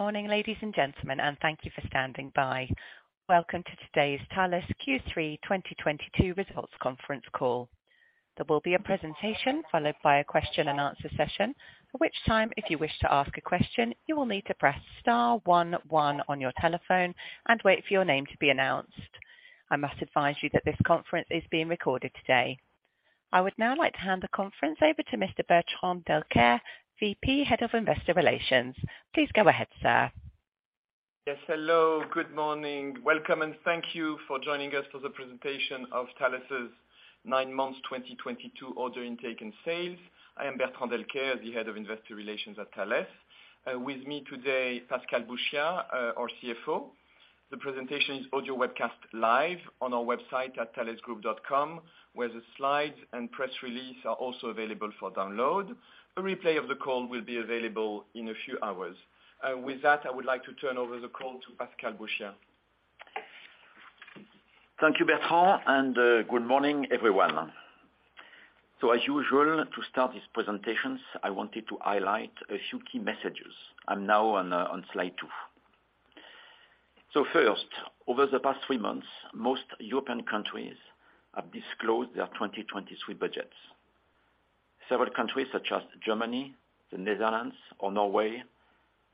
Good morning, ladies and gentlemen, and thank you for standing by. Welcome to today's Thales Q3 2022 results conference call. There will be a presentation followed by a question and answer session. At which time, if you wish to ask a question, you will need to press star one one on your telephone and wait for your name to be announced. I must advise you that this conference is being recorded today. I would now like to hand the conference over to Mr. Bertrand Delcaire, VP, Head of Investor Relations. Please go ahead, sir. Yes, hello. Good morning. Welcome and thank you for joining us for the presentation of Thales' nine months 2022 order intake and sales. I am Bertrand Delcaire, the Head of Investor Relations at Thales. With me today, Pascal Bouchiat, our CFO. The presentation is audio webcast live on our website at thalesgroup.com, where the slides and press release are also available for download. A replay of the call will be available in a few hours. With that, I would like to turn over the call to Pascal Bouchiat. Thank you, Bertrand, and good morning, everyone. As usual, to start these presentations, I wanted to highlight a few key messages. I'm now on slide two. First, over the past three months, most European countries have disclosed their 2023 budgets. Several countries, such as Germany, the Netherlands or Norway,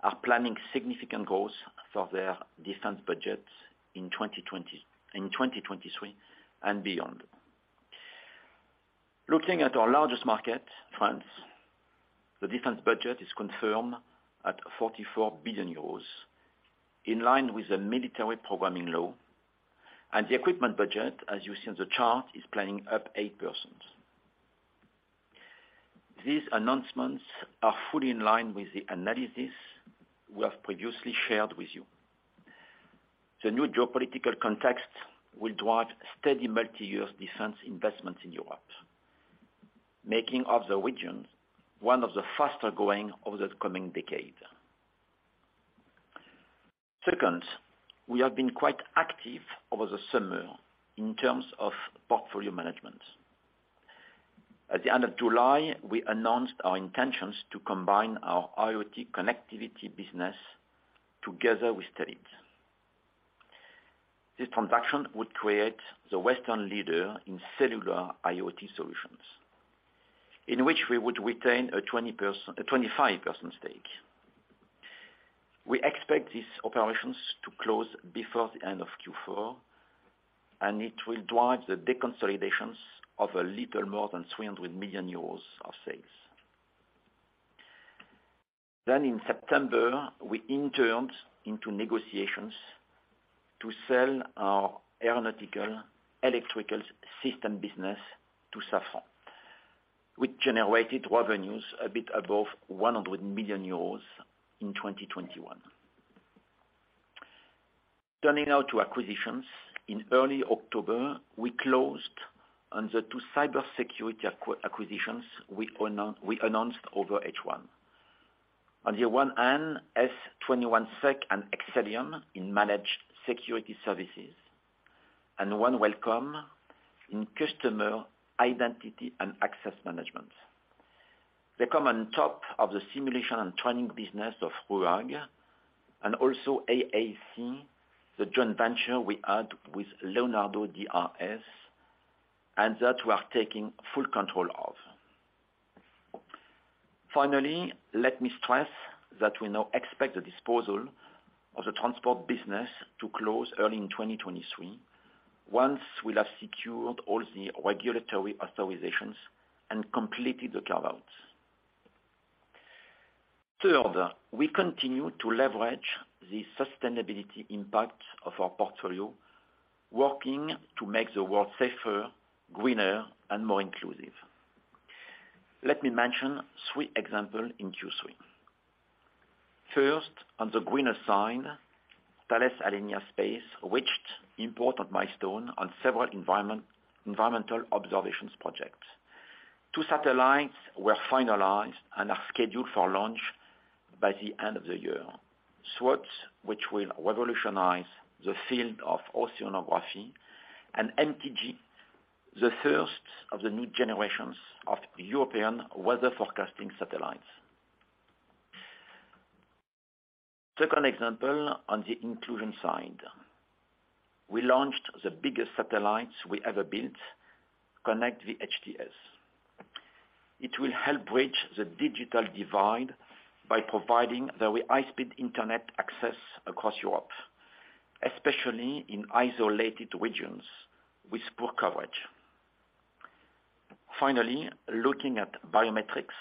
are planning significant growth for their defense budgets in 2023 and beyond. Looking at our largest market, France, the defense budget is confirmed at 44 billion euros, in line with the military programming law and the equipment budget, as you see on the chart, is planning up 8%. These announcements are fully in line with the analysis we have previously shared with you. The new geopolitical context will drive steady multi-year defense investments in Europe, making of the region one of the faster-growing over the coming decade. Second, we have been quite active over the summer in terms of portfolio management. At the end of July, we announced our intentions to combine our IoT connectivity business together with Telit. This transaction would create the Western leader in cellular IoT solutions, in which we would retain a 25% stake. We expect these operations to close before the end of Q4, and it will drive the de-consolidations of a little more than 300 million euros of sales. In September, we entered into negotiations to sell our aeronautical electrical system business to Safran, which generated revenues a bit above 100 million euros in 2021. Turning now to acquisitions. In early October, we closed on the two Cybersecurity acquisitions we announced over H1. On the one hand, S21sec and Excellium in managed security services, and OneWelcome in customer identity and access management. They come on top of the simulation and training business of RUAG and also AAC, the joint venture we had with Leonardo DRS, and that we are taking full control of. Finally, let me stress that we now expect the disposal of the transport business to close early in 2023 once we'll have secured all the regulatory authorizations and completed the carve-outs. Third, we continue to leverage the sustainability impact of our portfolio, working to make the world safer, greener and more inclusive. Let me mention three examples in Q3. First, on the greener side, Thales Alenia Space reached important milestones on several environmental observations projects. Two satellites were finalized and are scheduled for launch by the end of the year. SWOT, which will revolutionize the field of oceanography, and MTG, the first of the new generations of European weather forecasting satellites. Second example on the inclusion side. We launched the biggest satellites we ever built, KONNECT VHTS. It will help bridge the digital divide by providing very high-speed internet access across Europe, especially in isolated regions with poor coverage. Finally, looking at biometrics.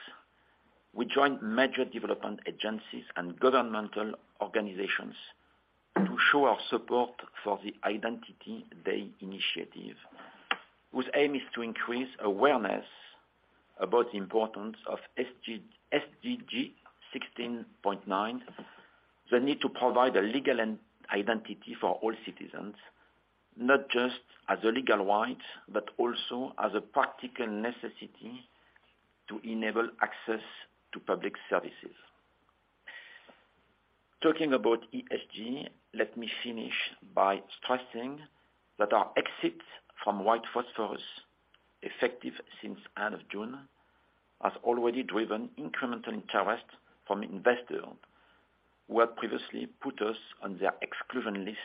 We joined major development agencies and governmental organizations to show our support for the International Identity Day initiative. Whose aim is to increase awareness about the importance of SDG 16.9, the need to provide a legal identity for all citizens, not just as a legal right, but also as a practical necessity to enable access to public services. Talking about ESG, let me finish by stressing that our exit from white phosphorus, effective since end of June, has already driven incremental interest from investors who had previously put us on their exclusion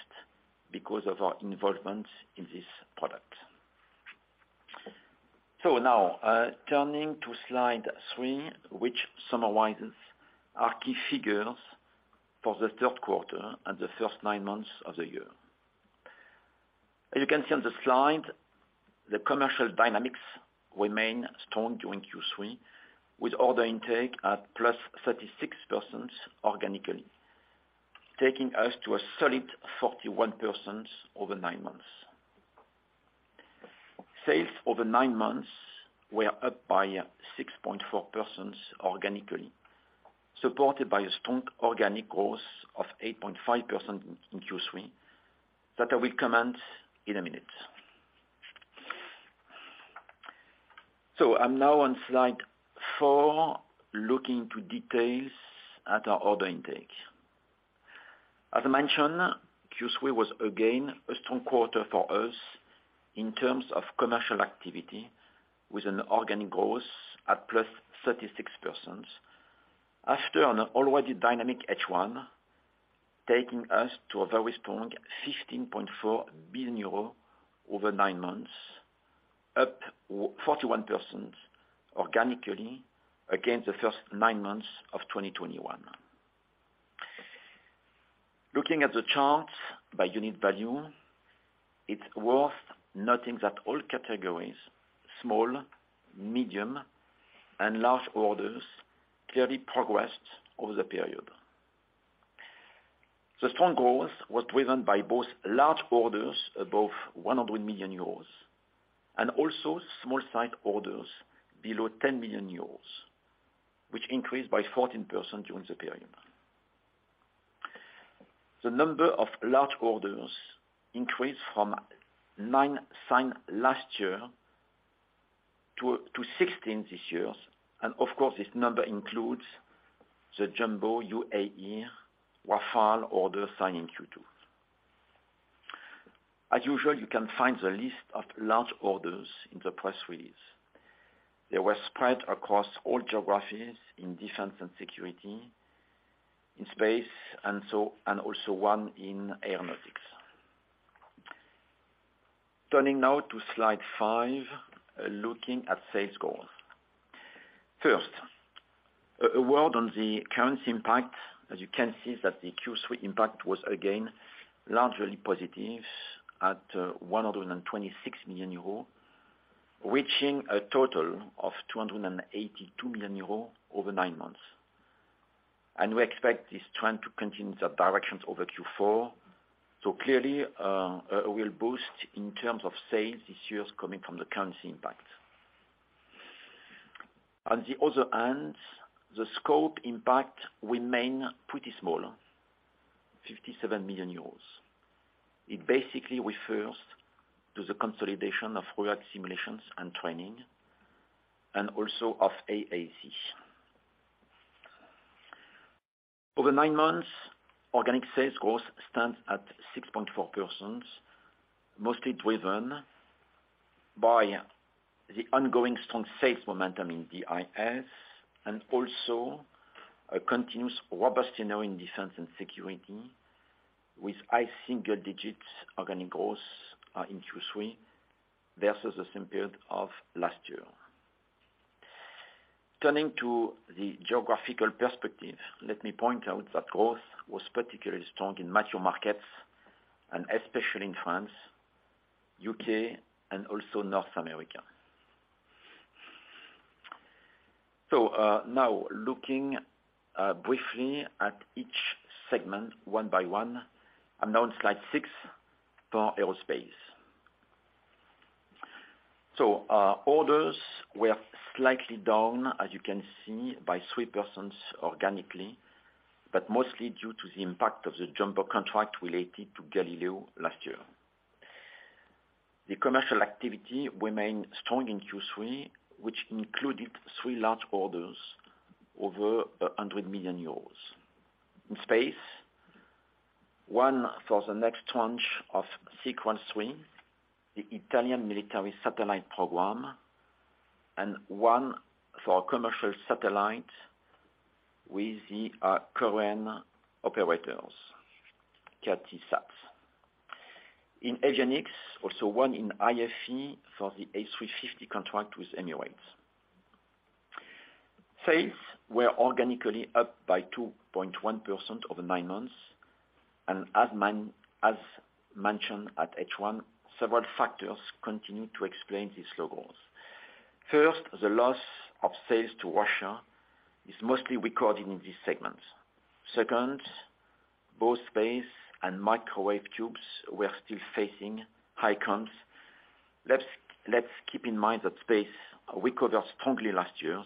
list because of our involvement in this product. Now, turning to slide three, which summarizes our key figures for the third quarter and the first nine months of the year. As you can see on the slide, the commercial dynamics remain strong during Q3, with order intake at +36% organically, taking us to a solid 41% over nine months. Sales over nine months were up by 6.4% organically, supported by a strong organic growth of 8.5% in Q3 that I will comment in a minute. I'm now on slide four, looking to details at our order intake. As I mentioned, Q3 was again a strong quarter for us in terms of commercial activity with an organic growth at +36%. After an already dynamic H1, taking us to a very strong 15.4 billion euro over nine months, up 41% organically against the first nine months of 2021. Looking at the chart by unit value, it's worth noting that all categories, small, medium, and large orders, clearly progressed over the period. The strong growth was driven by both large orders above 100 million euros and also small-sized orders below 10 million euros, which increased by 14% during the period. The number of large orders increased from nine signed orderslast year to 16 orders this year. Of course, this number includes the jumbo UAE Rafale order signed in Q2. As usual, you can find the list of large orders in the press release. They were spread across all geographies in Defense & Security, in space, and also one in aeronautics. Turning now to slide five, looking at sales growth. First, a word on the currency impact. As you can see that the Q3 impact was again largely positive at 126 million euros, reaching a total of 282 million euros over nine months. We expect this trend to continue the directions over Q4. Clearly, we'll boost in terms of sales this year coming from the currency impact. On the other hand, the scope impact remain pretty small, 57 million euros. It basically refers to the consolidation of RUAG Simulation & Training, and also of AAC. Over nine months, organic sales growth stands at 6.4%, mostly driven by the ongoing strong sales momentum in DIS and also a continuous robustness in Defense & Security, with high single digits organic growth in Q3 versus the same period of last year. Turning to the geographical perspective, let me point out that growth was particularly strong in mature markets and especially in France, U.K., and also North America. Now looking briefly at each segment one by one. I'm now on slide 6 for aerospace. Orders were slightly down, as you can see, by 3% organically, but mostly due to the impact of the jumbo contract related to Galileo last year. The commercial activity remained strong in Q3, which included three large orders over 100 million euros. In space, one for the next tranche of SICRAL 3, the Italian military satellite program, and one for commercial satellite with the Korean operators, KT SAT. In Avionics, also one in IFE for the A350 contract with Emirates. Sales were organically up by 2.1% over nine months, and as mentioned at H1, several factors continue to explain this slow growth. First, the loss of sales to Russia is mostly recorded in this segment. Second, both space and microwave tubes were still facing high costs. Let's keep in mind that space recovered strongly last year.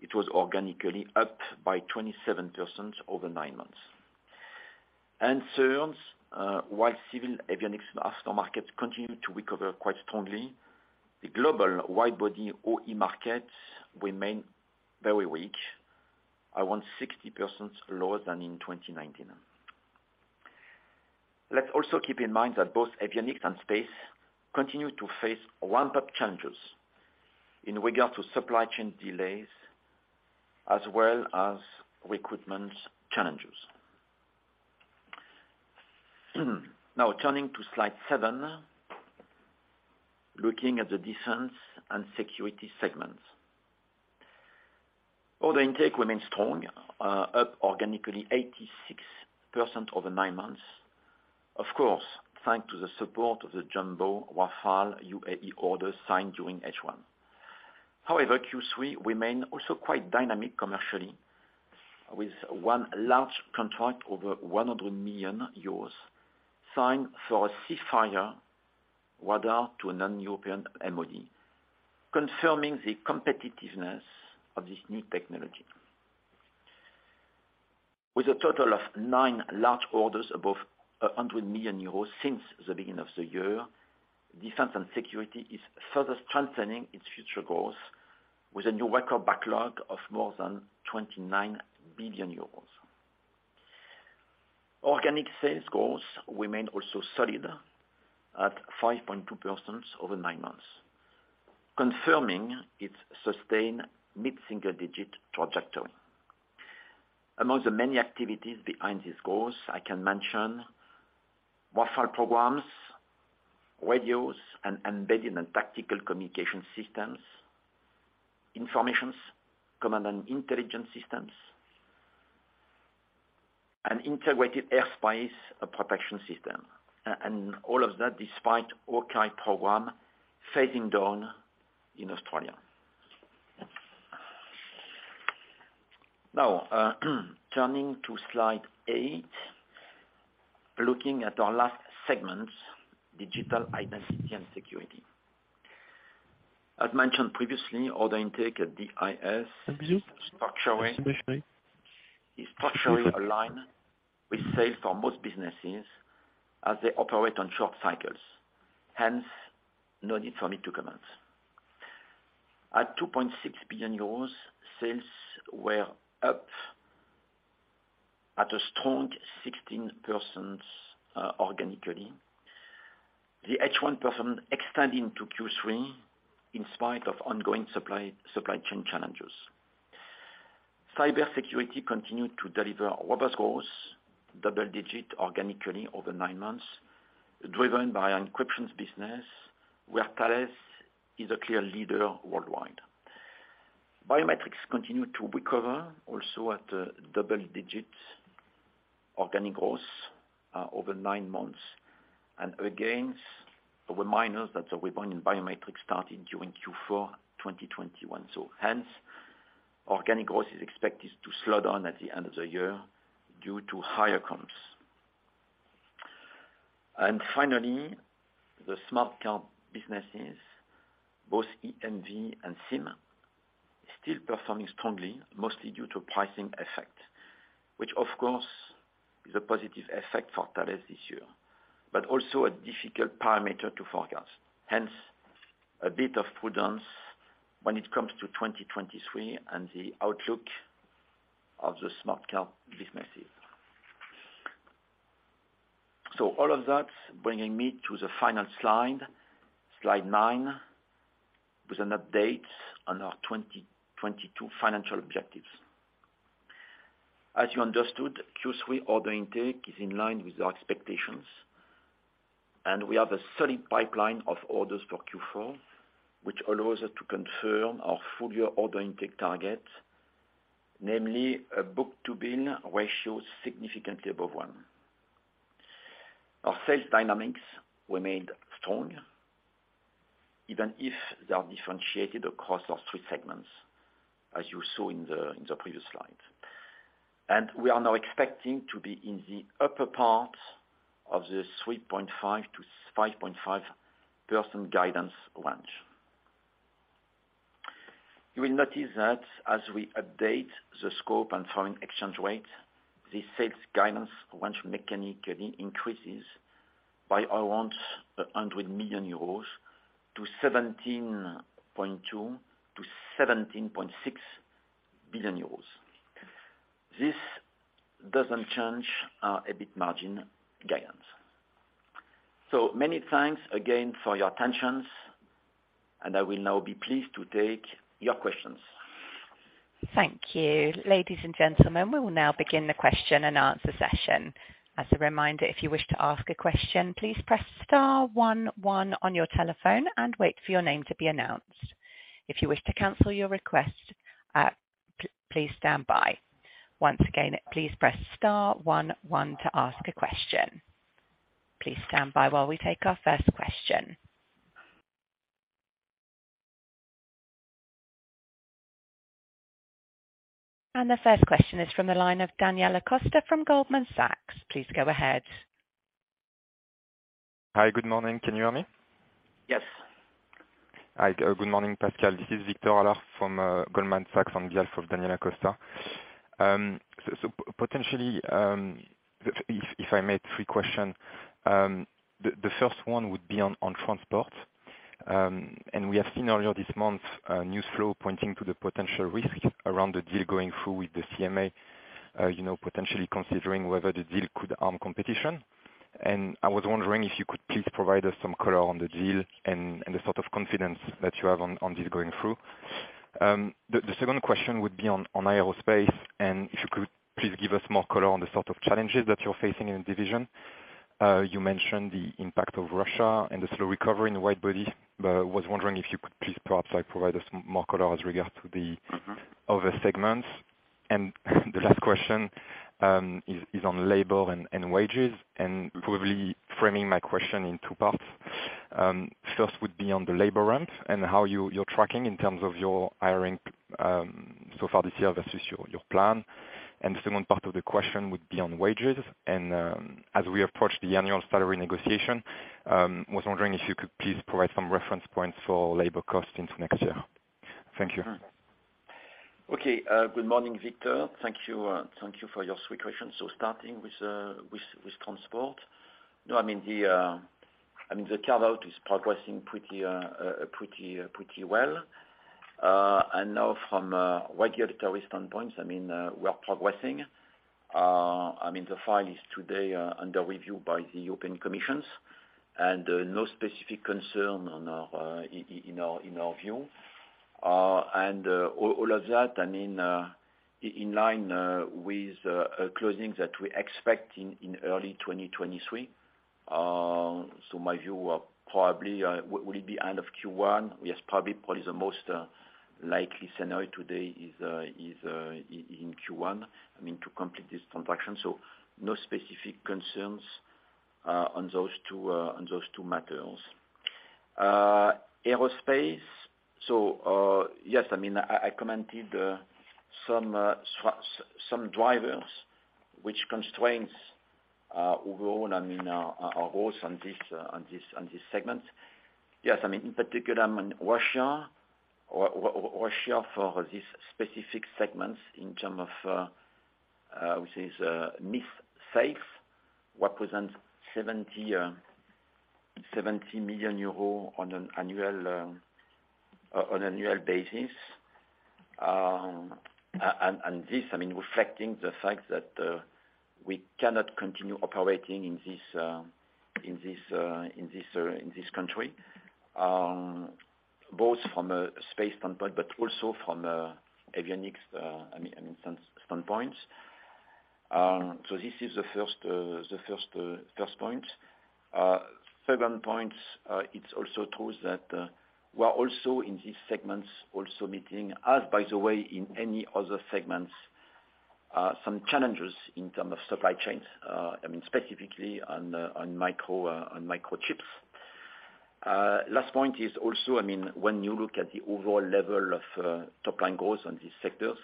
It was organically up by 27% over nine months. Third, while civil Avionics and Space markets continue to recover quite strongly, the global wide-body OEM markets remain very weak, around 60% lower than in 2019. Let's also keep in mind that both Avionics and Space continue to face ramp-up challenges in regard to supply chain delays as well as recruitment challenges. Now turning to slide seven, looking at the Defense & Security segments. Order intake remains strong, up organically 86% over nine months. Of course, thanks to the support of the jumbo Rafale UAE order signed during H1. However, Q3 remain also quite dynamic commercially, with one large contract over 100 million euros signed for a Sea Fire radar to a non-European MOD, confirming the competitiveness of this new technology. With a total of nine large orders above 100 million euros since the beginning of the year, Defense & Security is further strengthening its future growth with a new record backlog of more than 29 billion euros. Organic sales growth remained also solid at 5.2% over nine months, confirming its sustained mid-single digit trajectory. Among the many activities behind this growth, I can mention Rafale programs, radios and embedded and tactical communication systems, information command and intelligence systems, and integrated airspace protection system. And all of that despite Hawkei program fading down in Australia. Now, turning to slide eight, looking at our last segment, Digital Identity and Security. As mentioned previously, order intake at DIS is structurally aligned with sales for most businesses as they operate on short cycles. Hence, no need for me to comment. At 2.6 billion euros, sales were up at a strong 16%, organically. The H1 performance extending to Q3 in spite of ongoing supply chain challenges. Cybersecurity continued to deliver robust growth, double-digit organically over nine months, driven by our encryptions business, where Thales is a clear leader worldwide. Biometrics continued to recover also at double-digit organic growth, over nine months. Again, a reminder that the rebound in biometrics started during Q4 2021. Hence, organic growth is expected to slow down at the end of the year due to higher comps. Finally, the smart card businesses, both EMV and SIM, still performing strongly, mostly due to pricing effect, which of course, is a positive effect for Thales this year, but also a difficult parameter to forecast. Hence, a bit of prudence when it comes to 2023 and the outlook of the smart card businesses. All of that bringing me to the final slide nine, with an update on our 2022 financial objectives. As you understood, Q3 order intake is in line with our expectations, and we have a solid pipeline of orders for Q4, which allows us to confirm our full-year order intake target, namely a book-to-bill ratio significantly above one. Our sales dynamics remained strong, even if they are differentiated across our three segments, as you saw in the previous slide. We are now expecting to be in the upper part of the 3.5%-5.5% guidance range. You will notice that as we update the scope and foreign exchange rate, the sales guidance range mechanically increases by around 100 million euros to 17.2 billion-17.6 billion euros. This doesn't change our EBIT margin guidance. Many thanks again for your attentions, and I will now be pleased to take your questions. Thank you. Ladies and gentlemen, we will now begin the question and answer session. As a reminder, if you wish to ask a question, please press star one one on your telephone and wait for your name to be announced. If you wish to cancel your request, please stand by. Once again, please press star one one to ask a question. Please stand by while we take our first question. The first question is from the line of Daniela Costa from Goldman Sachs. Please go ahead. Hi, good morning. Can you hear me? Yes. Hi. Good morning, Pascal. This is Victor Allard from Goldman Sachs on behalf of Daniela Costa. Potentially, if I have three questions, the first one would be on transport. We have seen earlier this month news flow pointing to the potential risk around the deal going through with the CMA, you know, potentially considering whether the deal could harm competition. I was wondering if you could please provide us some color on the deal and the sort of confidence that you have on this going through. The second question would be on aerospace, and if you could please give us more color on the sort of challenges that you're facing in the division. You mentioned the impact of Russia and the slow recovery in wide body. I was wondering if you could please perhaps, like, provide us more color as regards to the Mm-hmm. -other segments. The last question is on labor and wages. Probably framing my question in two parts. First would be on the labor front and how you're tracking in terms of your hiring so far this year versus your plan. Second part of the question would be on wages and as we approach the annual salary negotiation, was wondering if you could please provide some reference points for labor costs into next year. Thank you. Good morning, Victor Allard. Thank you for your three questions. Starting with transport. I mean, the carve-out is progressing pretty well. Now from a regulatory standpoint, I mean, we are progressing. I mean, the file is today under review by the European Commission. No specific concern in our view. All of that, I mean, in line with closings that we expect in early 2023. My view of probably will it be end of Q1. Yes, probably the most likely scenario today is in Q1, I mean, to complete this transaction, so no specific concerns on those two matters. Aerospace. Yes, I mean, I commented some drivers which constrain overall, I mean, our growth on this segment. Yes, I mean, in particular I mean Russia for this specific segment in terms of which is this space, represents 70 million euros on an annual basis. And this, I mean, reflecting the fact that we cannot continue operating in this country, both from a space standpoint but also from Avionics standpoint. This is the first point. Second point, it's also true that we are also in these segments also meeting, as by the way, in any other segments, some challenges in terms of supply chains. I mean, specifically on microchips. Last point is also, I mean, when you look at the overall level of top line growth on these sectors,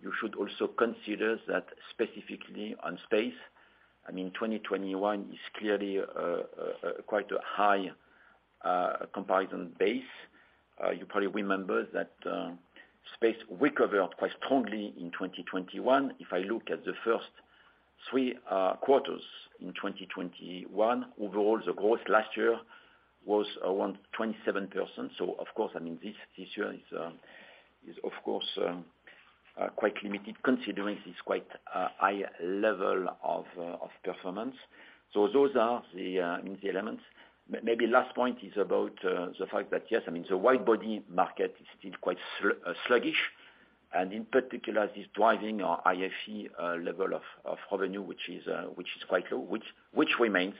you should also consider that specifically on space. I mean, 2021 is clearly quite a high comparison base. You probably remember that space recovered quite strongly in 2021. If I look at the first three quarters in 2021, overall the growth last year was around 27%. Of course, I mean, this year is of course quite limited considering this quite high level of performance. Those are the elements. Maybe last point is about the fact that, yes, I mean, the wide body market is still quite sluggish. In particular is driving our IFE level of revenue, which is quite low. Which remains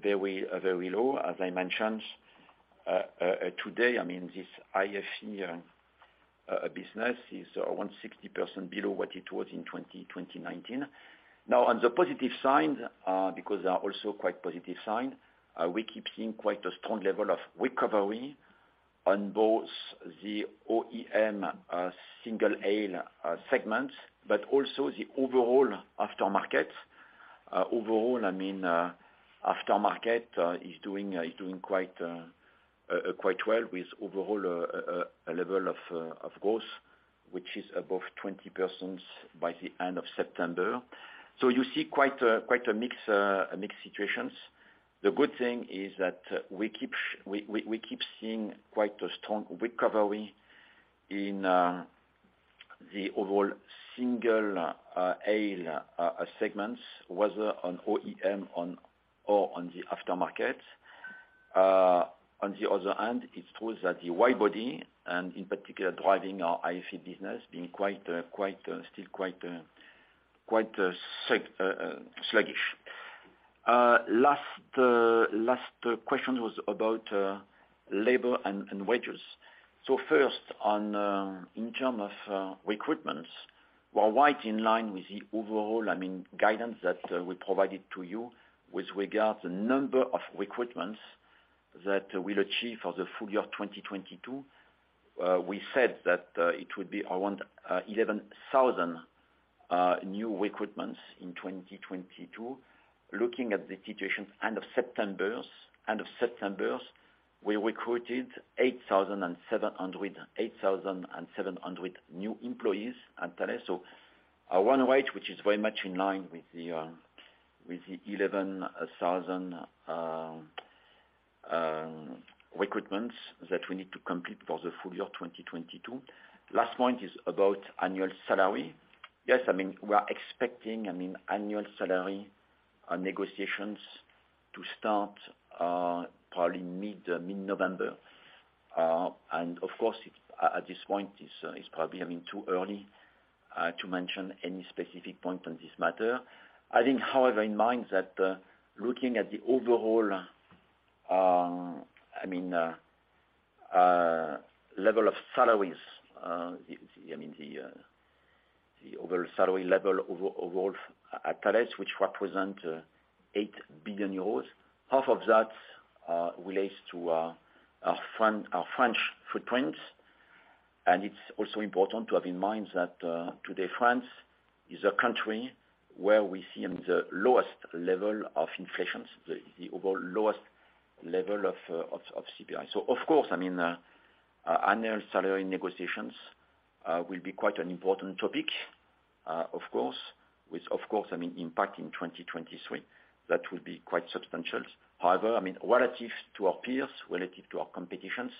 very low, as I mentioned. Today, I mean, this IFE business is around 60% below what it was in 2019. Now, on the positive side, because there are also quite positive sign, we keep seeing quite a strong level of recovery on both the OEM single aisle segment, but also the overall aftermarket. Overall, I mean, aftermarket is doing quite well with overall a level of growth, which is above 20% by the end of September. You see quite a mix, a mixed situations. The good thing is that we keep seeing quite a strong recovery in the overall single-aisle segments, whether on OEM or on the aftermarket. On the other hand, it's true that the wide-body and in particular driving our IFE business, being still quite sluggish. Last question was about labor and wages. First on in terms of recruitments, we're right in line with the overall, I mean, guidance that we provided to you with regard to number of recruitments that we'll achieve for the full year of 2022. We said that it would be around 11,000 new recruitments in 2022. Looking at the situation end of September. We recruited 8,700 new employees at Thales. Run rate, which is very much in line with the 11,000 recruitments that we need to complete for the full year 2022. Last point is about annual salary. Yes, I mean, we are expecting, I mean, annual salary negotiations to start probably mid-November. Of course, at this point, it's probably, I mean, too early to mention any specific point on this matter. I think, however, keep in mind that looking at the overall, I mean, the overall salary level overall at Thales, which represent 8 billion euros, half of that relates to our French footprints. It's also important to have in mind that today France is a country where we see the lowest level of inflation, the overall lowest level of CPI. Of course, I mean, annual salary negotiations will be quite an important topic, of course, with impact in 2023. That will be quite substantial. However, I mean, relative to our peers, relative to our competitors,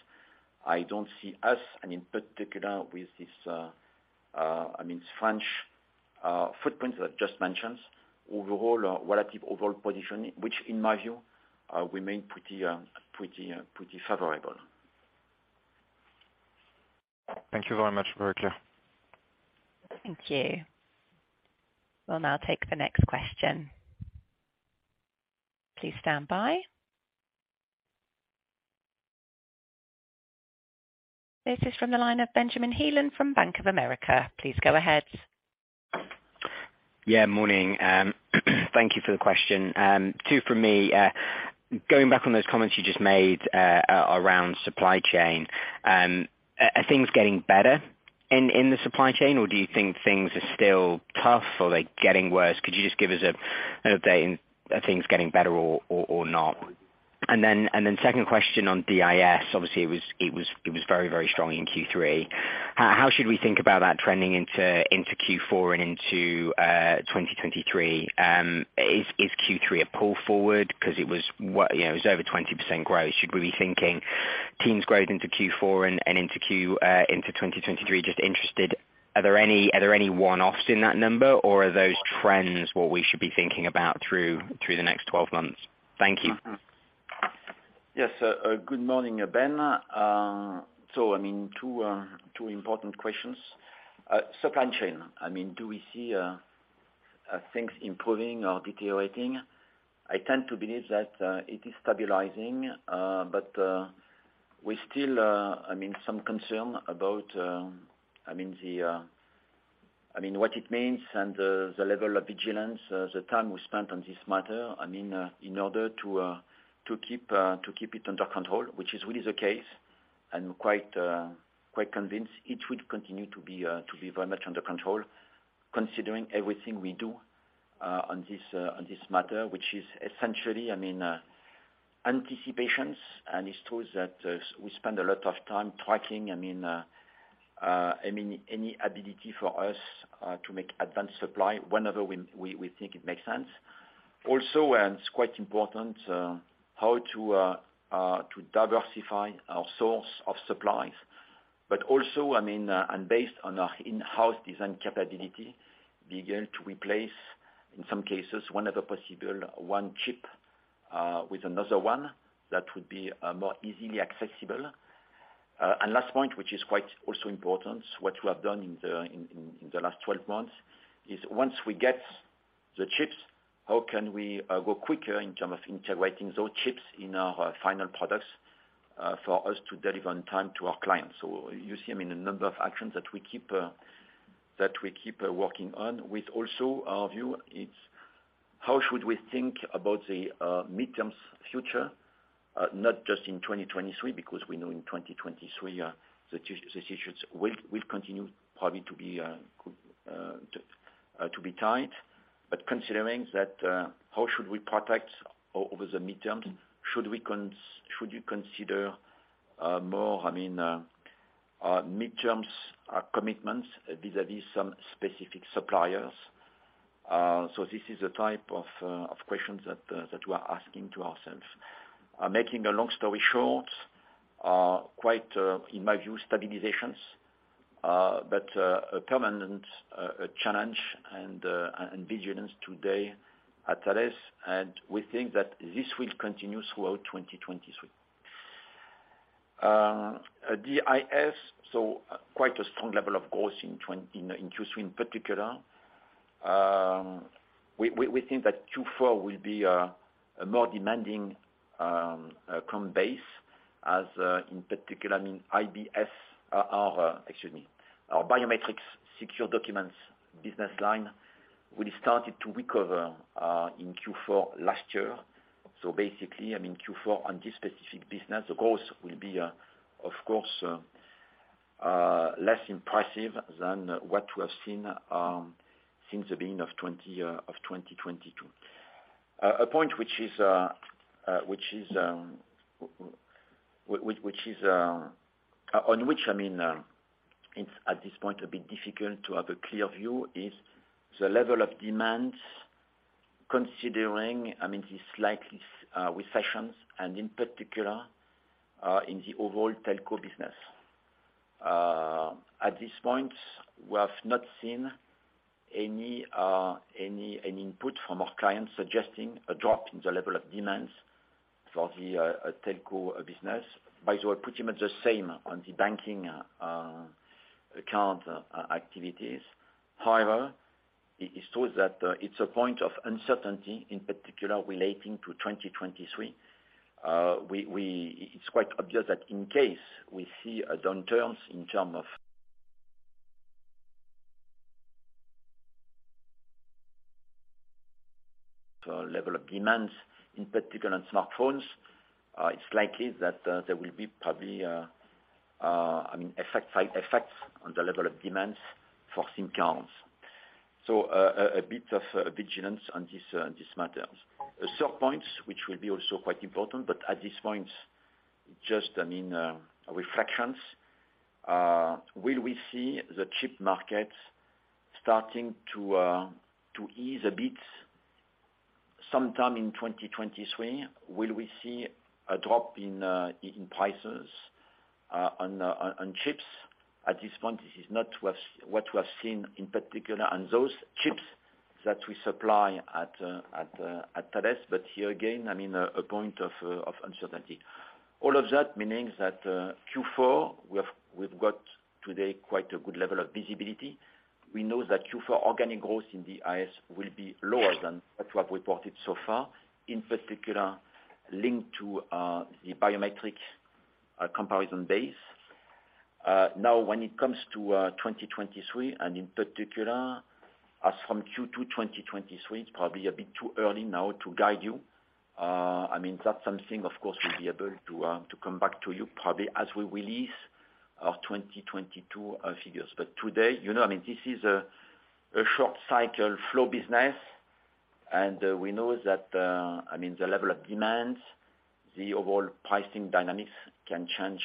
I don't see us, and in particular with this, I mean, French footprint that I just mentioned, overall, relative overall position, which in my view, remain pretty favorable. Thank you very much. Very clear. Thank you. We'll now take the next question. Please stand by. This is from the line of Benjamin Heelan from Bank of America. Please go ahead. Yeah, morning. Thank you for the question. Two from me. Going back on those comments you just made, around supply chain, are things getting better in the supply chain, or do you think things are still tough, or are they getting worse? Could you just give us an update, are things getting better or not? Then second question on DIS, obviously it was very strong in Q3. How should we think about that trending into Q4 and into 2023? Is Q3 a pull forward? 'Cause it was, you know, it was over 20% growth. Should we be thinking teens growth into Q4 and into 2023? Just interested, are there any one-offs in that number, or are those trends what we should be thinking about through the next 12 months? Thank you. Yes. Good morning, Ben. I mean two important questions. Supply chain, I mean, do we see things improving or deteriorating? I tend to believe that it is stabilizing, but we still I mean some concern about what it means and the level of vigilance, the time we spent on this matter I mean in order to keep it under control, which is really the case. I'm quite convinced it will continue to be very much under control considering everything we do on this matter, which is essentially I mean anticipations. It's true that we spend a lot of time tracking, I mean, any ability for us to make advanced supply whenever we think it makes sense. Also, it's quite important how to diversify our source of supplies, but also, I mean, and based on our in-house design capability, begin to replace, in some cases, whenever possible, one chip with another one that would be more easily accessible. Last point, which is quite also important, what we have done in the last 12 months is once we get the chips, how can we go quicker in terms of integrating those chips in our final products for us to deliver on time to our clients? You see, I mean, a number of actions that we keep working on with also our view, it's how should we think about the medium-term future, not just in 2023, because we know in 2023, this issues will continue probably to be tight. Considering that, how should we protect over the medium term? Should you consider more, I mean, medium-term commitments vis-à-vis some specific suppliers? This is the type of questions that we're asking to ourselves. Making a long story short, quite in my view, stabilizations, but a permanent challenge and vigilance today at Thales. We think that this will continue throughout 2023. DIS, quite a strong level of growth in Q2 in particular. We think that Q4 will be a more demanding comp base as in particular, I mean, IBS, excuse me, our biometrics secure documents business line really started to recover in Q4 last year. Basically, I mean Q4 on this specific business, of course, will be of course less impressive than what we have seen since the beginning of 2022. A point which is on which I mean it's at this point a bit difficult to have a clear view is the level of demand considering I mean the slight recession and in particular in the overall Telco business. At this point, we have not seen any input from our clients suggesting a drop in the level of demands for the Telco business. By the way, pretty much the same on the banking account activities. However, it shows that it's a point of uncertainty, in particular relating to 2023. It's quite obvious that in case we see a downturn in level of demands, in particular on smartphones, it's likely that there will be probably, I mean, adverse side effects on the level of demands for SIM cards. A bit of vigilance on this matter. Third point, which will be also quite important, but at this point, just, I mean, reflections, will we see the chip market starting to to ease a bit sometime in 2023? Will we see a drop in in prices on on chips? At this point, this is not what we have seen in particular on those chips that we supply at at at Thales. But here again, I mean, a point of of uncertainty. All of that meaning that Q4, we've got today quite a good level of visibility. We know that Q4 organic growth in the IS will be lower than what we have reported so far, in particular linked to the biometric comparison base. Now, when it comes to 2023, and in particular as from Q2 2023, it's probably a bit too early now to guide you. I mean, that's something of course we'll be able to come back to you probably as we release our 2022 figures. Today, you know, I mean, this is a short cycle flow business. We know that, I mean, the level of demands, the overall pricing dynamics can change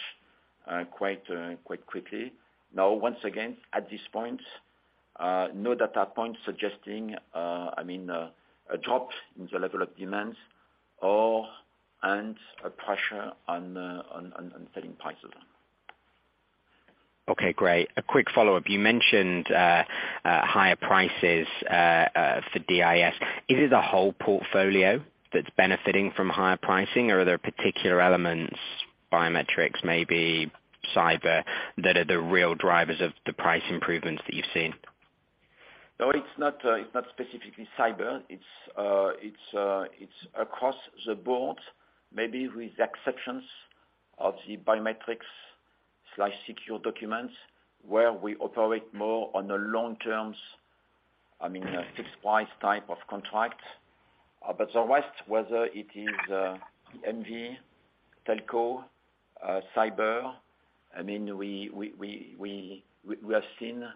quite quickly. Now, once again, at this point, no data point suggesting, I mean, a drop in the level of demands or a pressure on selling prices. Okay, great. A quick follow-up. You mentioned higher prices for DIS. Is it the whole portfolio that's benefiting from higher pricing or are there particular elements, biometrics, maybe Cyber, that are the real drivers of the price improvements that you've seen? No, it's not specifically Cyber. It's across the board, maybe with the exceptions of the biometrics and secure documents, where we operate more on a long-term, I mean, a fixed price type of contract. The rest, whether it is EMV, Telco, Cyber, I mean, we have seen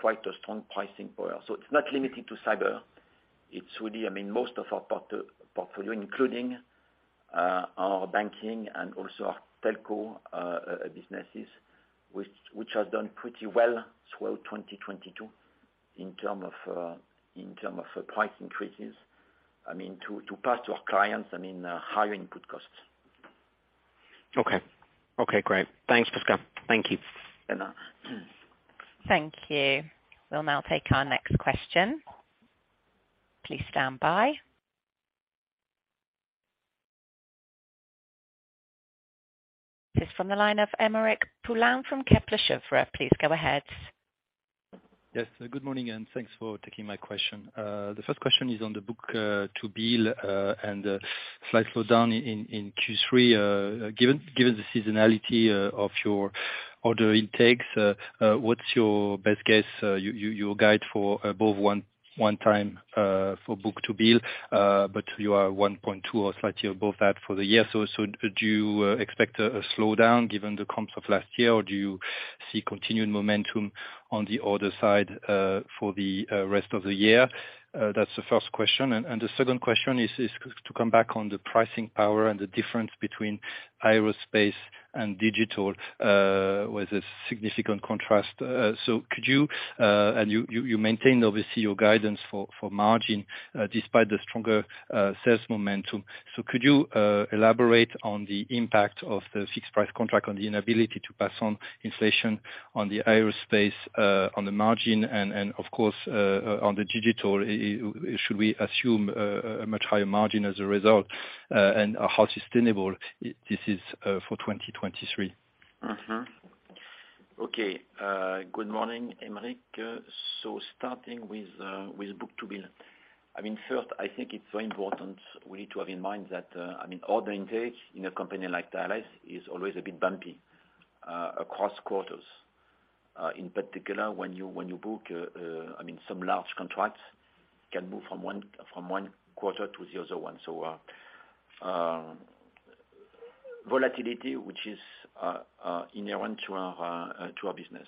quite a strong pricing power. It's not limited to Cyber. It's really, I mean, most of our portfolio, including our banking and also our Telco businesses, which has done pretty well throughout 2022 in terms of price increases, I mean, to pass to our clients higher input costs. Okay. Okay, great. Thanks, Pascal. Thank you. Thank you. We'll now take our next question. Please stand by. This from the line of Aymeric Poulain from Kepler Cheuvreux. Please go ahead. Good morning, and thanks for taking my question. The first question is on the book-to-bill and slight slowdown in Q3. Given the seasonality of your order intakes, what's your best guess, your guide for above 1.0x for book-to-bill? But you are at 1.2x or slightly above that for the year. Do you expect a slowdown given the comps of last year, or do you see continued momentum on the order side for the rest of the year? That's the first question. The second question is to come back on the pricing power and the difference between aerospace and digital with a significant contrast. Could you and you maintained obviously your guidance for margin despite the stronger sales momentum. Could you elaborate on the impact of the fixed price contract on the inability to pass on inflation on the aerospace on the margin and of course on the digital? Should we assume a much higher margin as a result? And how sustainable this is for 2023? Good morning, Aymeric. Starting with book-to-bill. I mean, first, I think it's very important we need to have in mind that order intake in a company like Thales is always a bit bumpy across quarters. In particular, when you book some large contracts can move from one quarter to the other one. Volatility, which is inherent to our business.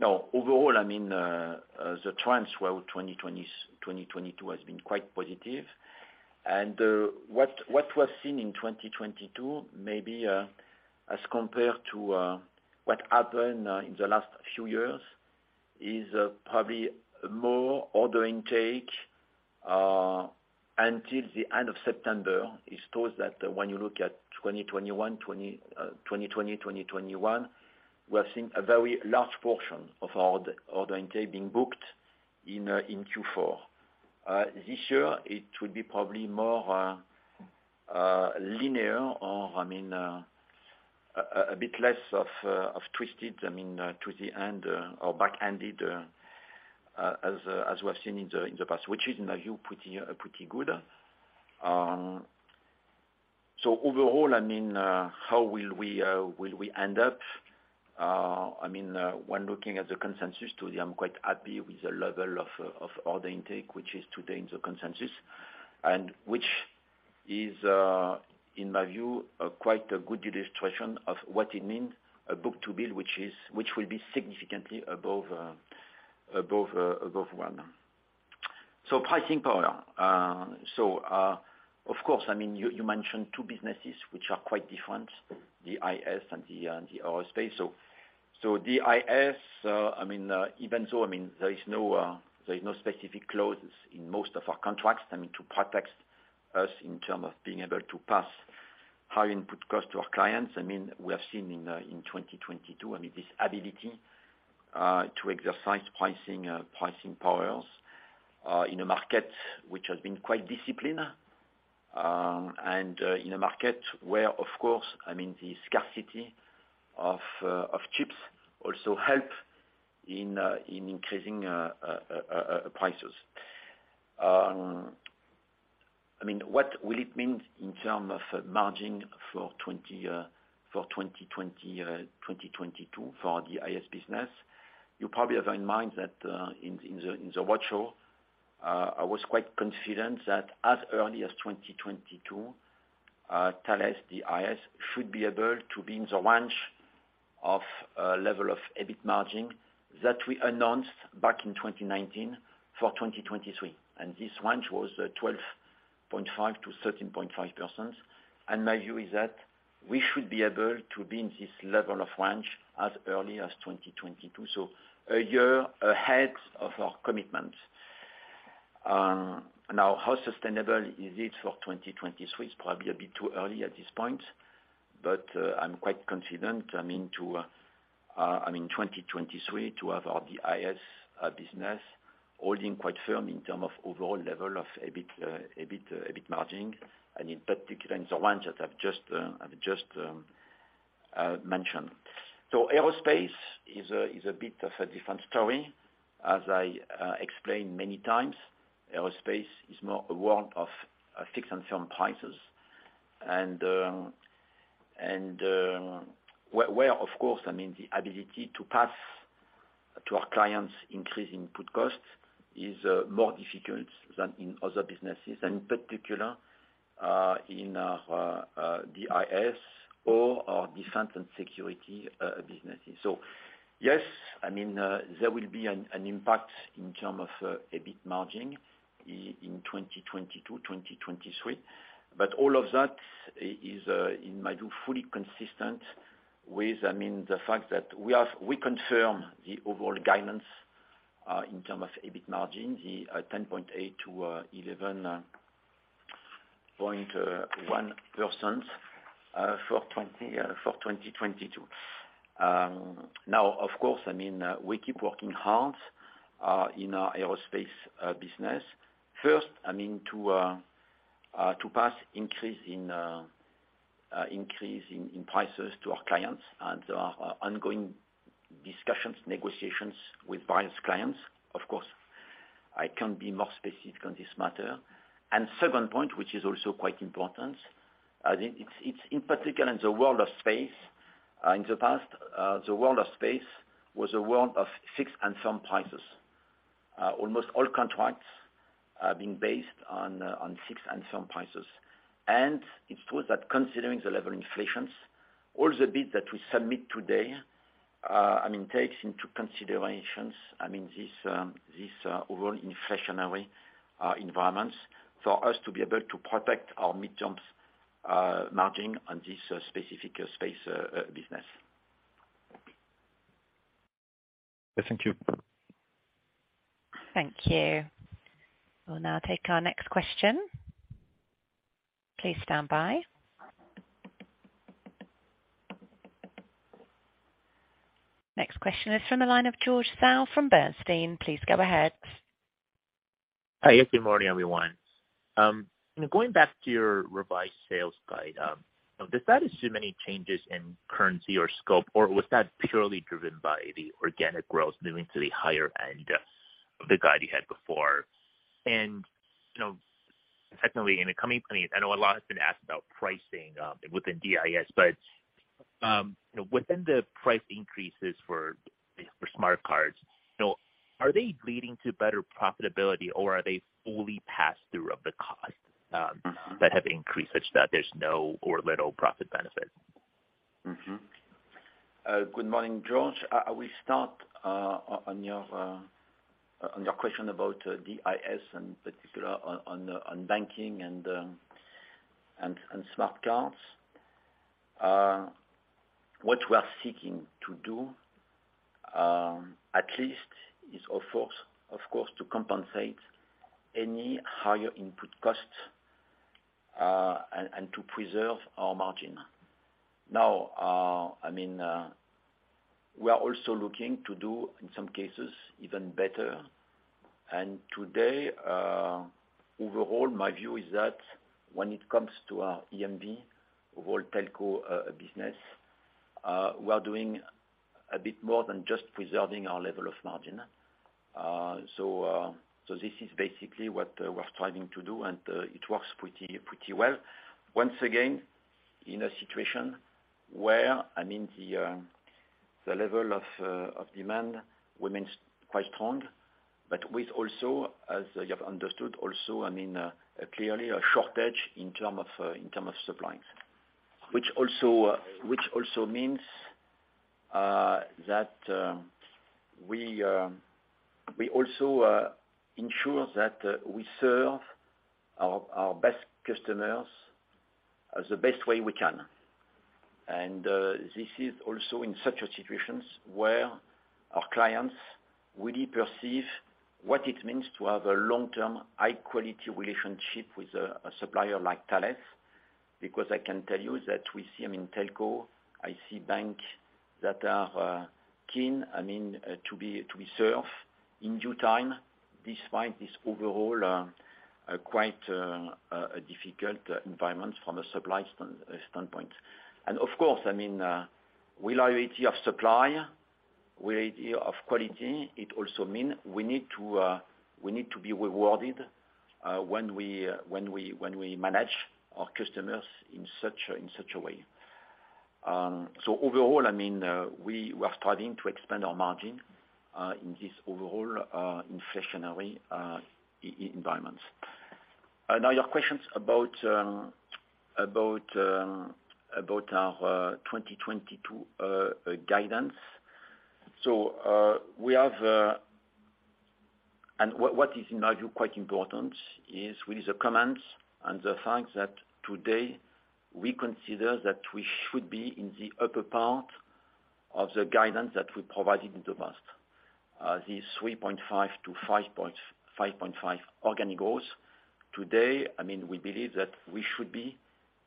Now, overall, I mean, the trends where 2022 has been quite positive. What was seen in 2022, maybe, as compared to what happened in the last few years, is probably more order intake until the end of September. It shows that when you look at 2020, 2021, we have seen a very large portion of our order intake being booked in Q4. This year, it will be probably more linear or, I mean, a bit less twisty end or back-loaded as we have seen in the past, which is, in my view, pretty good. Overall, I mean, how will we end up? I mean, when looking at the consensus today, I'm quite happy with the level of order intake, which is today in the consensus, and which is, in my view, a quite good illustration of what it means a book-to-bill, which will be significantly above one. Pricing power. Of course, I mean, you mentioned two businesses which are quite different, the IS and the aerospace. The IS, I mean, even though, I mean, there is no specific clauses in most of our contracts, I mean, to protect us in terms of being able to pass high input cost to our clients. I mean, we have seen in 2022, I mean, this ability to exercise pricing powers in a market which has been quite disciplined, and in a market where, of course, I mean, the scarcity of chips also help in increasing prices. I mean, what will it mean in terms of margin for 2022 for the IS business? You probably have in mind that, in the roadshow, I was quite confident that as early as 2022, Thales, the IS, should be able to be in the range of level of EBIT margin that we announced back in 2019 for 2023. This range was 12.5%-13.5%. My view is that we should be able to be in this level of range as early as 2022. A year ahead of our commitment. How sustainable is it for 2023? It's probably a bit too early at this point, but I'm quite confident 2023 to have our IBS business holding quite firm in terms of overall level of EBIT margin, and in particular in the range that I've just mentioned. Aerospace is a bit of a different story. As I explained many times, aerospace is more a world of fixed and firm prices. Of course, I mean, the ability to pass to our clients increasing input costs is more difficult than in other businesses, and in particular, in our the IS or our Defense & Security businesses. Yes, I mean, there will be an impact in terms of EBIT margin in 2022, 2023, but all of that is, in my view, fully consistent with, I mean, the fact that we confirm the overall guidance in terms of EBIT margin, the 10.8%-11.1% for 2022. Now, of course, I mean, we keep working hard in our aerospace business. First, I mean, to pass the increase in prices to our clients, and there are ongoing discussions, negotiations with various clients. Of course, I can't be more specific on this matter. Second point, which is also quite important, it's in particular in the world of space. In the past, the world of space was a world of fixed and firm prices. Almost all contracts are being based on fixed and firm prices. It's true that considering the level of inflation, all the bids that we submit today, I mean, takes into consideration this overall inflationary environment for us to be able to protect our mid-term margin on this specific space business. Yes, thank you. Thank you. We'll now take our next question. Please stand by. Next question is from the line of George Zhao from Bernstein. Please go ahead. Hi, yes, good morning, everyone. Going back to your revised sales guide, does that assume any changes in currency or scope, or was that purely driven by the organic growth moving to the higher end of the guide you had before? Secondly, in the coming planning, I know a lot has been asked about pricing, within DIS, but within the price increases for smart cards, you know, are they leading to better profitability or are they fully passed through of the cost? Mm-hmm that have increased such that there's no or little profit benefit? Good morning, George. I will start on your question about DIS and particularly on banking and smart cards. What we are seeking to do, at least is of course to compensate any higher input costs and to preserve our margin. I mean, we are also looking to do in some cases even better. Today, overall, my view is that when it comes to our EMV overall Telco business, we are doing a bit more than just preserving our level of margin. So this is basically what we're striving to do, and it works pretty well. Once again, in a situation where the level of demand remains quite strong, but with also, as you have understood also, clearly a shortage in terms of supplies. Which also means that we ensure that we serve our best customers in the best way we can. This is also in such situations where our clients really perceive what it means to have a long-term, high quality relationship with a supplier like Thales. Because I can tell you that we see them in Telco. I see banks that are keen, I mean, to be served in due time, despite this overall, quite difficult environment from a supply standpoint. Of course, I mean, reliability of supply, reliability of quality, it also mean we need to be rewarded when we manage our customers in such a way. Overall, I mean, we are striving to expand our margin in this overall inflationary environments. Now, your questions about our 2022 guidance. What is, in my view, quite important is with the comments and the fact that today we consider that we should be in the upper part of the guidance that we provided in the past. 3.5%-5.5% organic growth. Today, I mean, we believe that we should be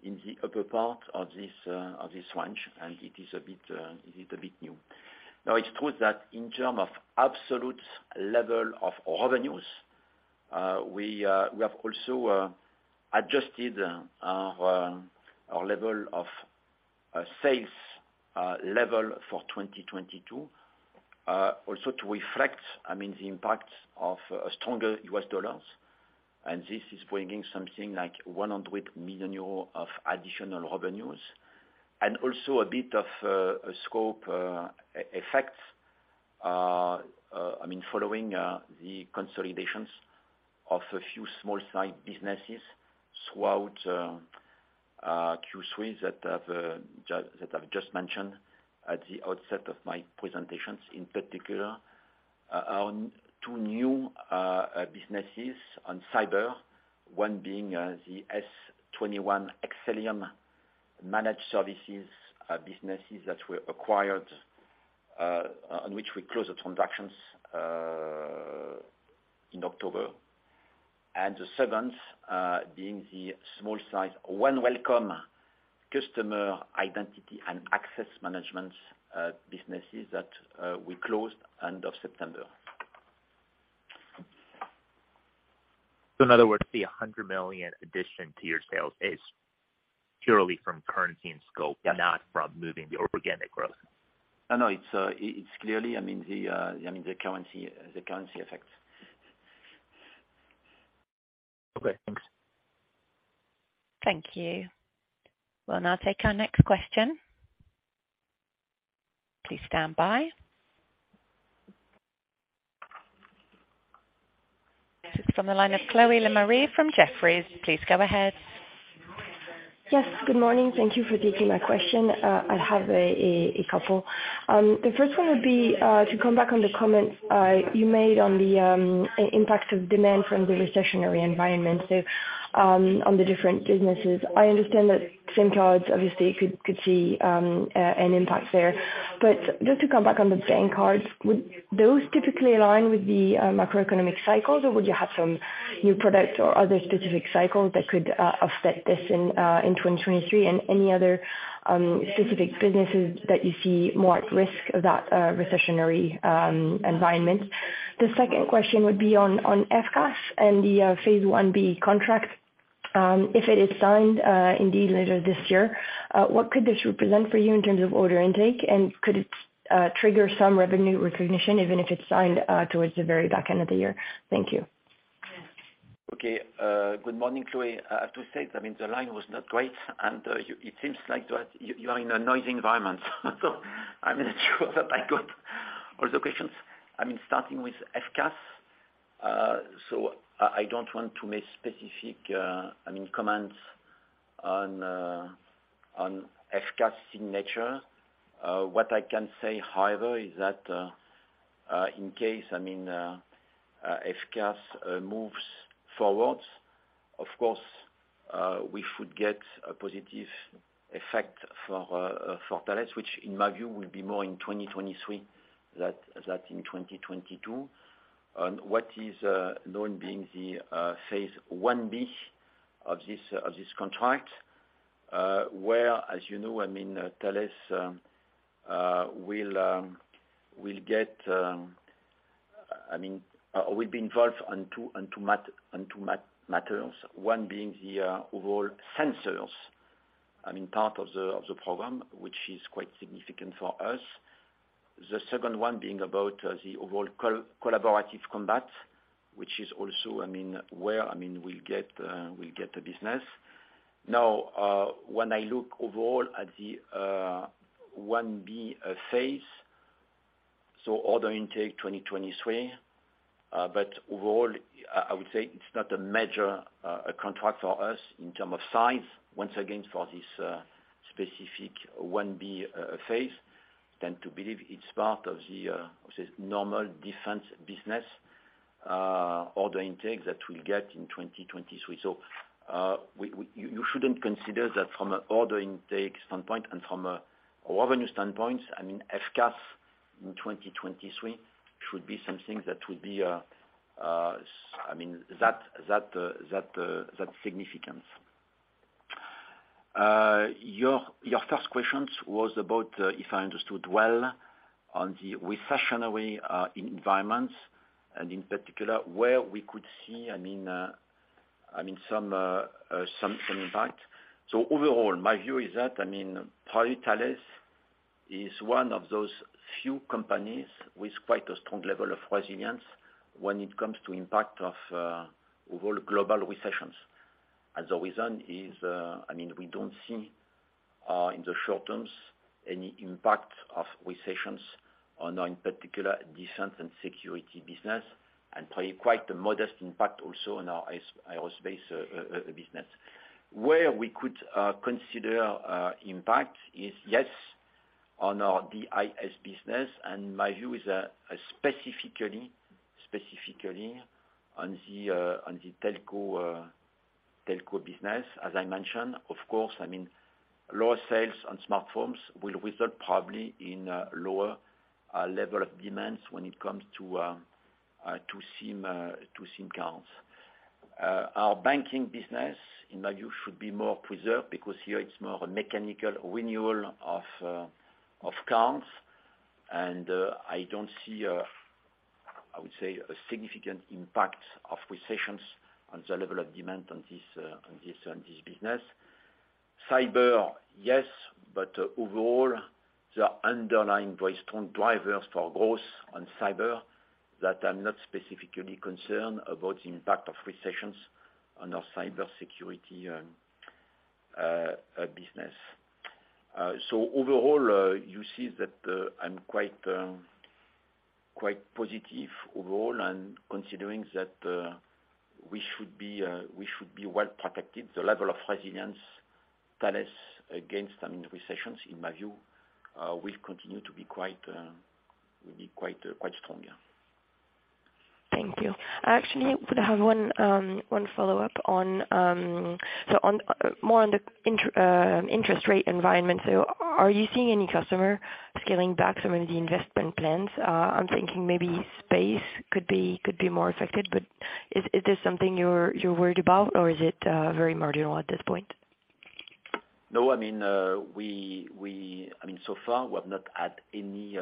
in the upper part of this range, and it is a bit new. Now, it's true that in terms of absolute level of revenues, we have also adjusted our level of sales level for 2022 also to reflect, I mean, the impact of a stronger U.S. dollar. This is bringing something like 100 million euros of additional revenues. Also a bit of a scope effect, I mean, following the consolidations of a few small side businesses throughout Q3 that I've just mentioned at the outset of my presentations. In particular, on two new businesses on cyber, one being the S21sec and Excellium managed services businesses that were acquired, on which we closed the transactions in October. The seventh being the small size OneWelcome customer identity and access management businesses that we closed end of September. In other words, the 100 million addition to your sales is purely from currency and scope. Yeah. Not from moving the organic growth. No, it's clearly, I mean, the currency effect. Okay, thanks. Thank you. We'll now take our next question. Please stand by. This is from the line of Chloe Lemarie from Jefferies. Please go ahead. Yes. Good morning. Thank you for taking my question. I have a couple. The first one would be to come back on the comment you made on the impact of demand from the recessionary environment, so on the different businesses. I understand that SIM cards obviously could see an impact there. But just to come back on the bank cards, would those typically align with the macroeconomic cycles, or would you have some new products or other specific cycles that could offset this in 2023? And any other specific businesses that you see more at risk of that recessionary environment? The second question would be on FCAS and the phase 1B contract. If it is signed, indeed later this year, what could this represent for you in terms of order intake? Could it trigger some revenue recognition, even if it's signed, towards the very back end of the year? Thank you. Okay. Good morning, Chloe. I have to say, I mean, the line was not great, and it seems like that you are in a noisy environment. I'm not sure that I got all the questions. I mean, starting with FCAS. I don't want to make specific, I mean, comments on FCAS signature. What I can say, however, is that in case, I mean, FCAS moves forwards, of course, we should get a positive effect for Thales, which in my view, will be more in 2023 than that in 2022. What is known as the phase 1B of this contract, where, as you know, I mean, Thales will be involved on two matters. One being the overall sensors, I mean, part of the program, which is quite significant for us. The second one being about the overall collaborative combat, which is also, I mean, where we'll get the business. Now, when I look overall at the phase 1B, so order intake 2023. But overall, I would say it's not a major contract for us in terms of size. Once again, for this specific phase 1B. tend to believe it's part of this normal defense business order intake that we'll get in 2023. You shouldn't consider that from an order intake standpoint and from a revenue standpoint. I mean, FCAS in 2023 should be something that will be of that significance. Your first question was about, if I understood well, on the recessionary environments, and in particular, where we could see, I mean, some impact. Overall, my view is that, I mean, probably Thales is one of those few companies with quite a strong level of resilience when it comes to impact of overall global recessions. The reason is, I mean, we don't see in the short term any impact of recessions on our, in particular, Defense & Security business, and probably quite a modest impact also on our aerospace business. Where we could consider impact is, yes, on our DIS business, and my view is, specifically on the Telco business. As I mentioned, of course, I mean, lower sales on smartphones will result probably in lower level of demands when it comes to SIM cards. Our banking business, in my view, should be more preserved because here it's more a mechanical renewal of cards. I don't see a, I would say, a significant impact of recessions on the level of demand on this business. Cyber, yes, but overall, there are underlying very strong drivers for growth on Cyber that I'm not specifically concerned about the impact of recessions on our Cybersecurity business. Overall, you see that I'm quite positive overall, and considering that we should be well protected. The level of resilience Thales against, I mean, recessions, in my view, will continue to be quite strong, yeah. Thank you. I actually would have one follow-up on the interest rate environment. Are you seeing any customer scaling back some of the investment plans? I'm thinking maybe space could be more affected, but is this something you're worried about or is it very marginal at this point? No. I mean, so far we have not had any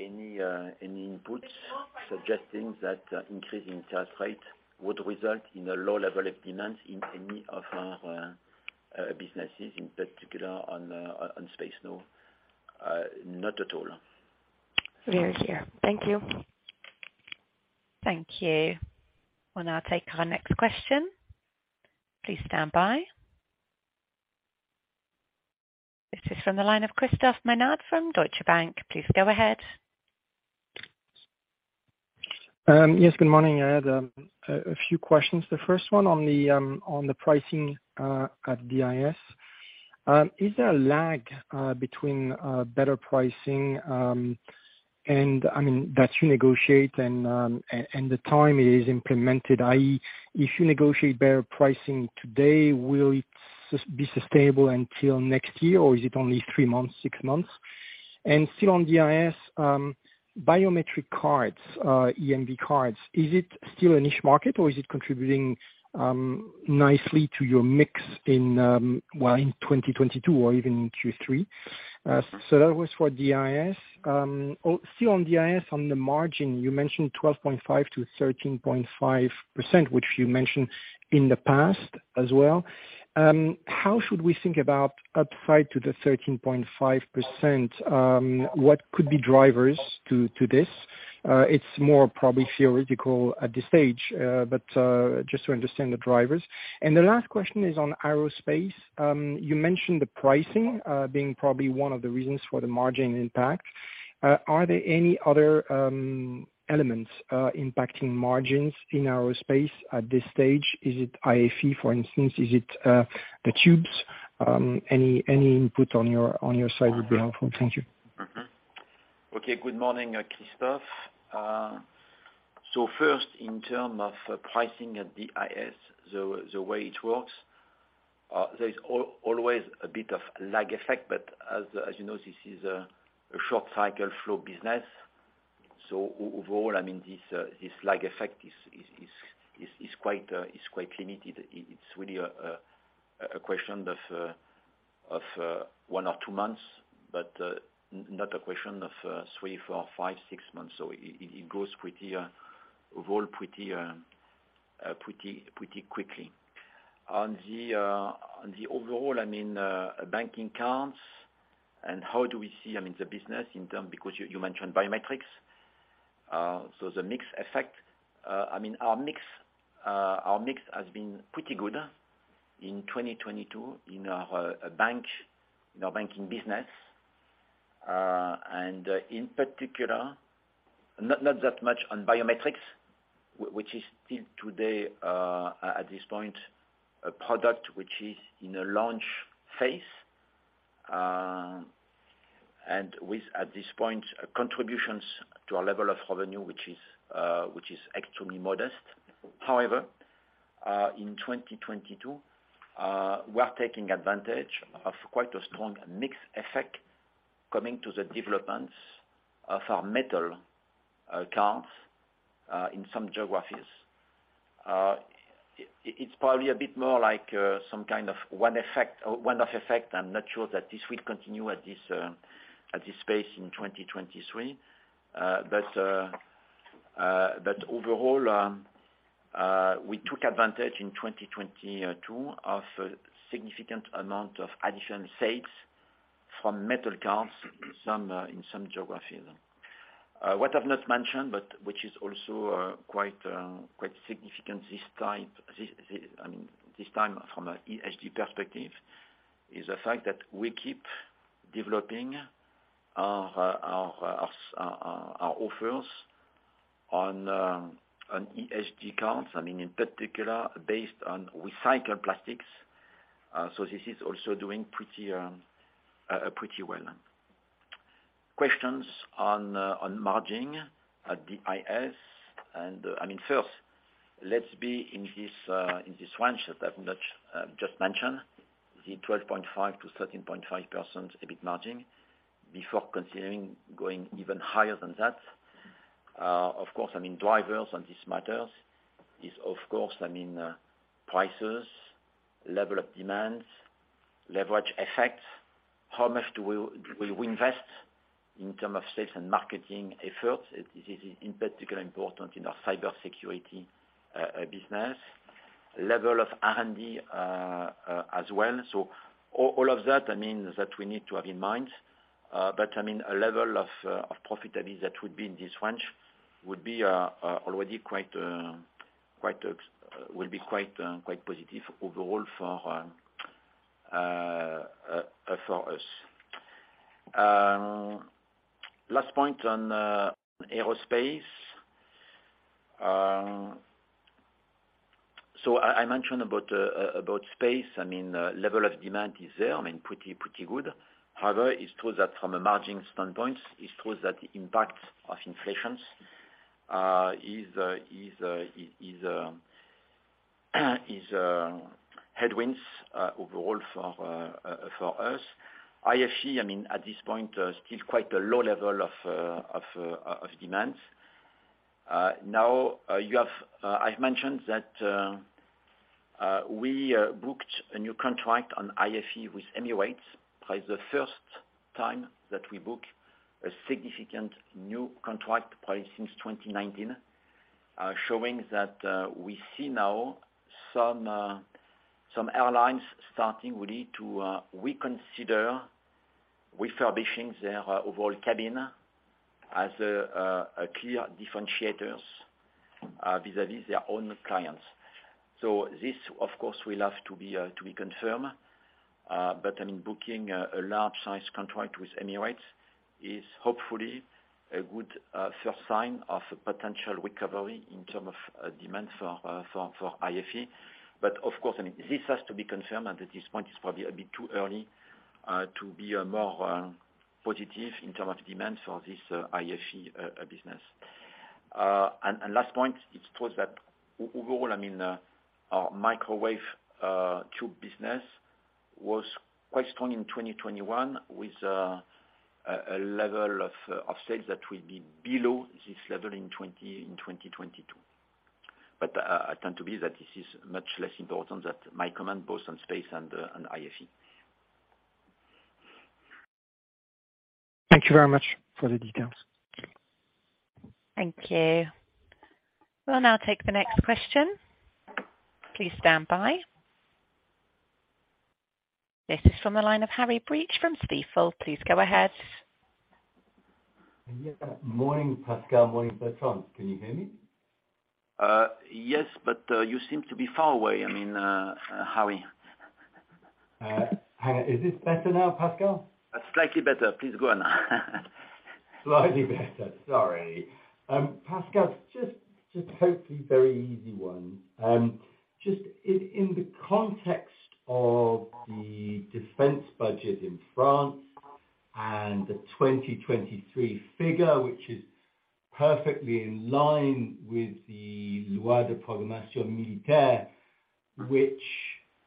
inputs suggesting that increase in interest rate would result in a low level of demands in any of our businesses, in particular on space, no. Not at all. Clear to hear. Thank you. Thank you. We'll now take our next question. Please stand by. This is from the line of Christophe Menard from Deutsche Bank. Please go ahead. Yes, good morning. I had a few questions. The first one on the pricing at DIS. Is there a lag between better pricing and I mean, that you negotiate and the time it is implemented, i.e., if you negotiate better pricing today, will it be sustainable until next year, or is it only three months, six months? Still on DIS, biometric cards, EMV cards. Is it still a niche market or is it contributing nicely to your mix in well, in 2022 or even in Q3? That was for DIS. Still on DIS, on the margin, you mentioned 12.5%-13.5%, which you mentioned in the past as well. How should we think about upside to the 13.5%? What could be drivers to this? It's more probably theoretical at this stage, but just to understand the drivers. The last question is on aerospace. You mentioned the pricing being probably one of the reasons for the margin impact. Are there any other elements impacting margins in aerospace at this stage? Is it IFE, for instance? Is it the tubes? Any input on your side would be helpful. Thank you. Okay. Good morning, Christophe. First, in terms of pricing at DIS, the way it works, there is always a bit of lag effect, but as you know, this is a short cycle flow business. Overall, I mean, this lag effect is quite limited. It's really a question of 1 or 2 months, but not a question of 3, 4, 5, 6 months. It grows pretty overall pretty quickly. On the overall, I mean, banking accounts and how do we see, I mean, the business in terms because you mentioned biometrics. The mix effect, I mean, our mix has been pretty good in 2022 in our banking business. In particular, not that much on biometrics which is still today at this point a product which is in a launch phase, with at this point contributions to our level of revenue, which is extremely modest. However, in 2022, we are taking advantage of quite a strong mix effect coming from the developments of our mobile accounts in some geographies. It's probably a bit more like some kind of one-off effect. I'm not sure that this will continue at this pace in 2023. Overall, we took advantage in 2022 of a significant amount of additional sales from metal cards, some in some geographies. What I've not mentioned, but which is also quite significant this time, I mean, this time from an ESG perspective, is the fact that we keep developing our offers on ESG cards, I mean, in particular, based on recycled plastics. This is also doing pretty well. Questions on margin at DIS and, I mean, first, let's be in this range that I've just mentioned, the 12.5%-13.5% EBIT margin before considering going even higher than that. Of course, I mean, drivers on these matters is of course, I mean, prices, level of demands, leverage effects, how much we will invest in terms of sales and marketing efforts. This is in particular important in our Cybersecurity business. Level of R&D as well. All of that, I mean, that we need to have in mind. I mean, a level of profitability that would be in this range would be already quite positive overall for us. Last point on aerospace. I mentioned about space. I mean, level of demand is there, I mean, pretty good. However, it's true that from a margin standpoint, it's true that the impact of inflation is headwinds overall for us. IFE, I mean, at this point, still quite a low level of demand. I've mentioned that we booked a new contract on IFE with Emirates for the first time that we book a significant new contract probably since 2019. Showing that we see now some airlines starting really to reconsider refurbishing their overall cabin as a clear differentiator vis-à-vis their own clients. This, of course, will have to be confirmed. I mean, booking a large size contract with Emirates is hopefully a good first sign of a potential recovery in terms of demand for IFE. Of course, I mean, this has to be confirmed, and at this point it's probably a bit too early to be more positive in terms of demand for this IFE business. Last point, it shows that overall, I mean, our microwave tube business was quite strong in 2021 with a level of sales that will be below this level in 2022. I tend to believe that this is much less important than my comment both on space and IFE. Thank you very much for the details. Thank you. We'll now take the next question. Please stand by. This is from the line of Harry Breach from Stifel. Please go ahead. Yeah. Morning, Pascal. Morning, Bertrand. Can you hear me? Yes, you seem to be far away. I mean, Harry. Hang on. Is this better now, Pascal? Slightly better. Please go on. Slightly better. Sorry. Pascal, just hopefully very easy one. Just in the context of the defense budget in France and the 2023 figure, which is perfectly in line with the Mm-hmm. Loi de programmation militaire, which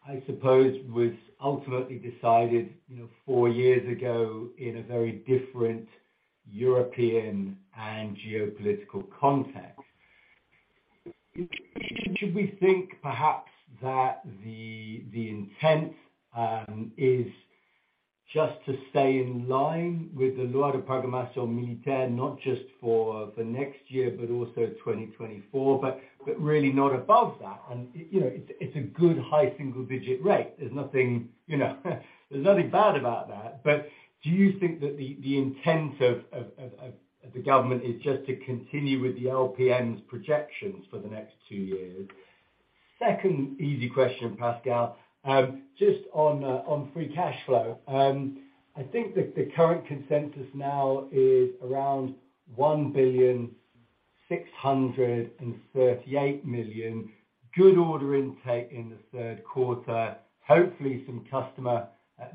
I suppose was ultimately decided, you know, four years ago in a very different European and geopolitical context. Should we think perhaps that the intent is just to stay in line with the Loi de programmation militaire, not just for next year, but also 2024, but really not above that? You know, it's a good high single digit rate. There's nothing, you know, there's nothing bad about that. But do you think that the intent of the government is just to continue with the LPM's projections for the next two years? Second easy question, Pascal. Just on free cash flow. I think the current consensus now is around 1.638 billion good order intake in the third quarter, hopefully some customer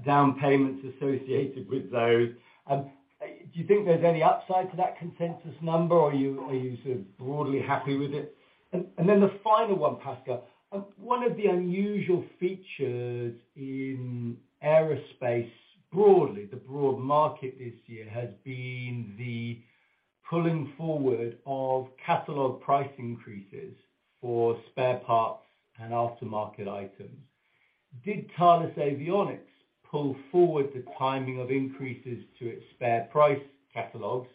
down payments associated with those. Do you think there's any upside to that consensus number, or are you sort of broadly happy with it? Then the final one, Pascal, one of the unusual features in aerospace broadly, the broad market this year, has been the pulling forward of catalog price increases for spare parts and aftermarket items. Did Thales Avionics pull forward the timing of increases to its spare price catalogs?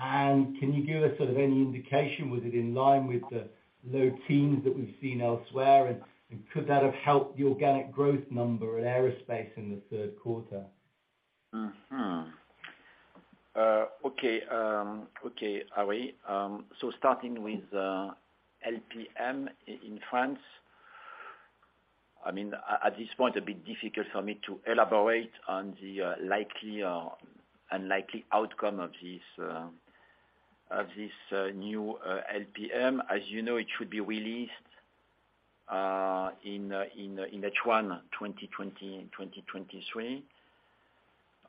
Can you give us sort of any indication, was it in line with the low teens that we've seen elsewhere, and could that have helped the organic growth number at aerospace in the third quarter? Okay, Harry. Starting with LPM in France, I mean, at this point, a bit difficult for me to elaborate on the unlikely outcome of this new LPM. As you know, it should be released in H1 2023.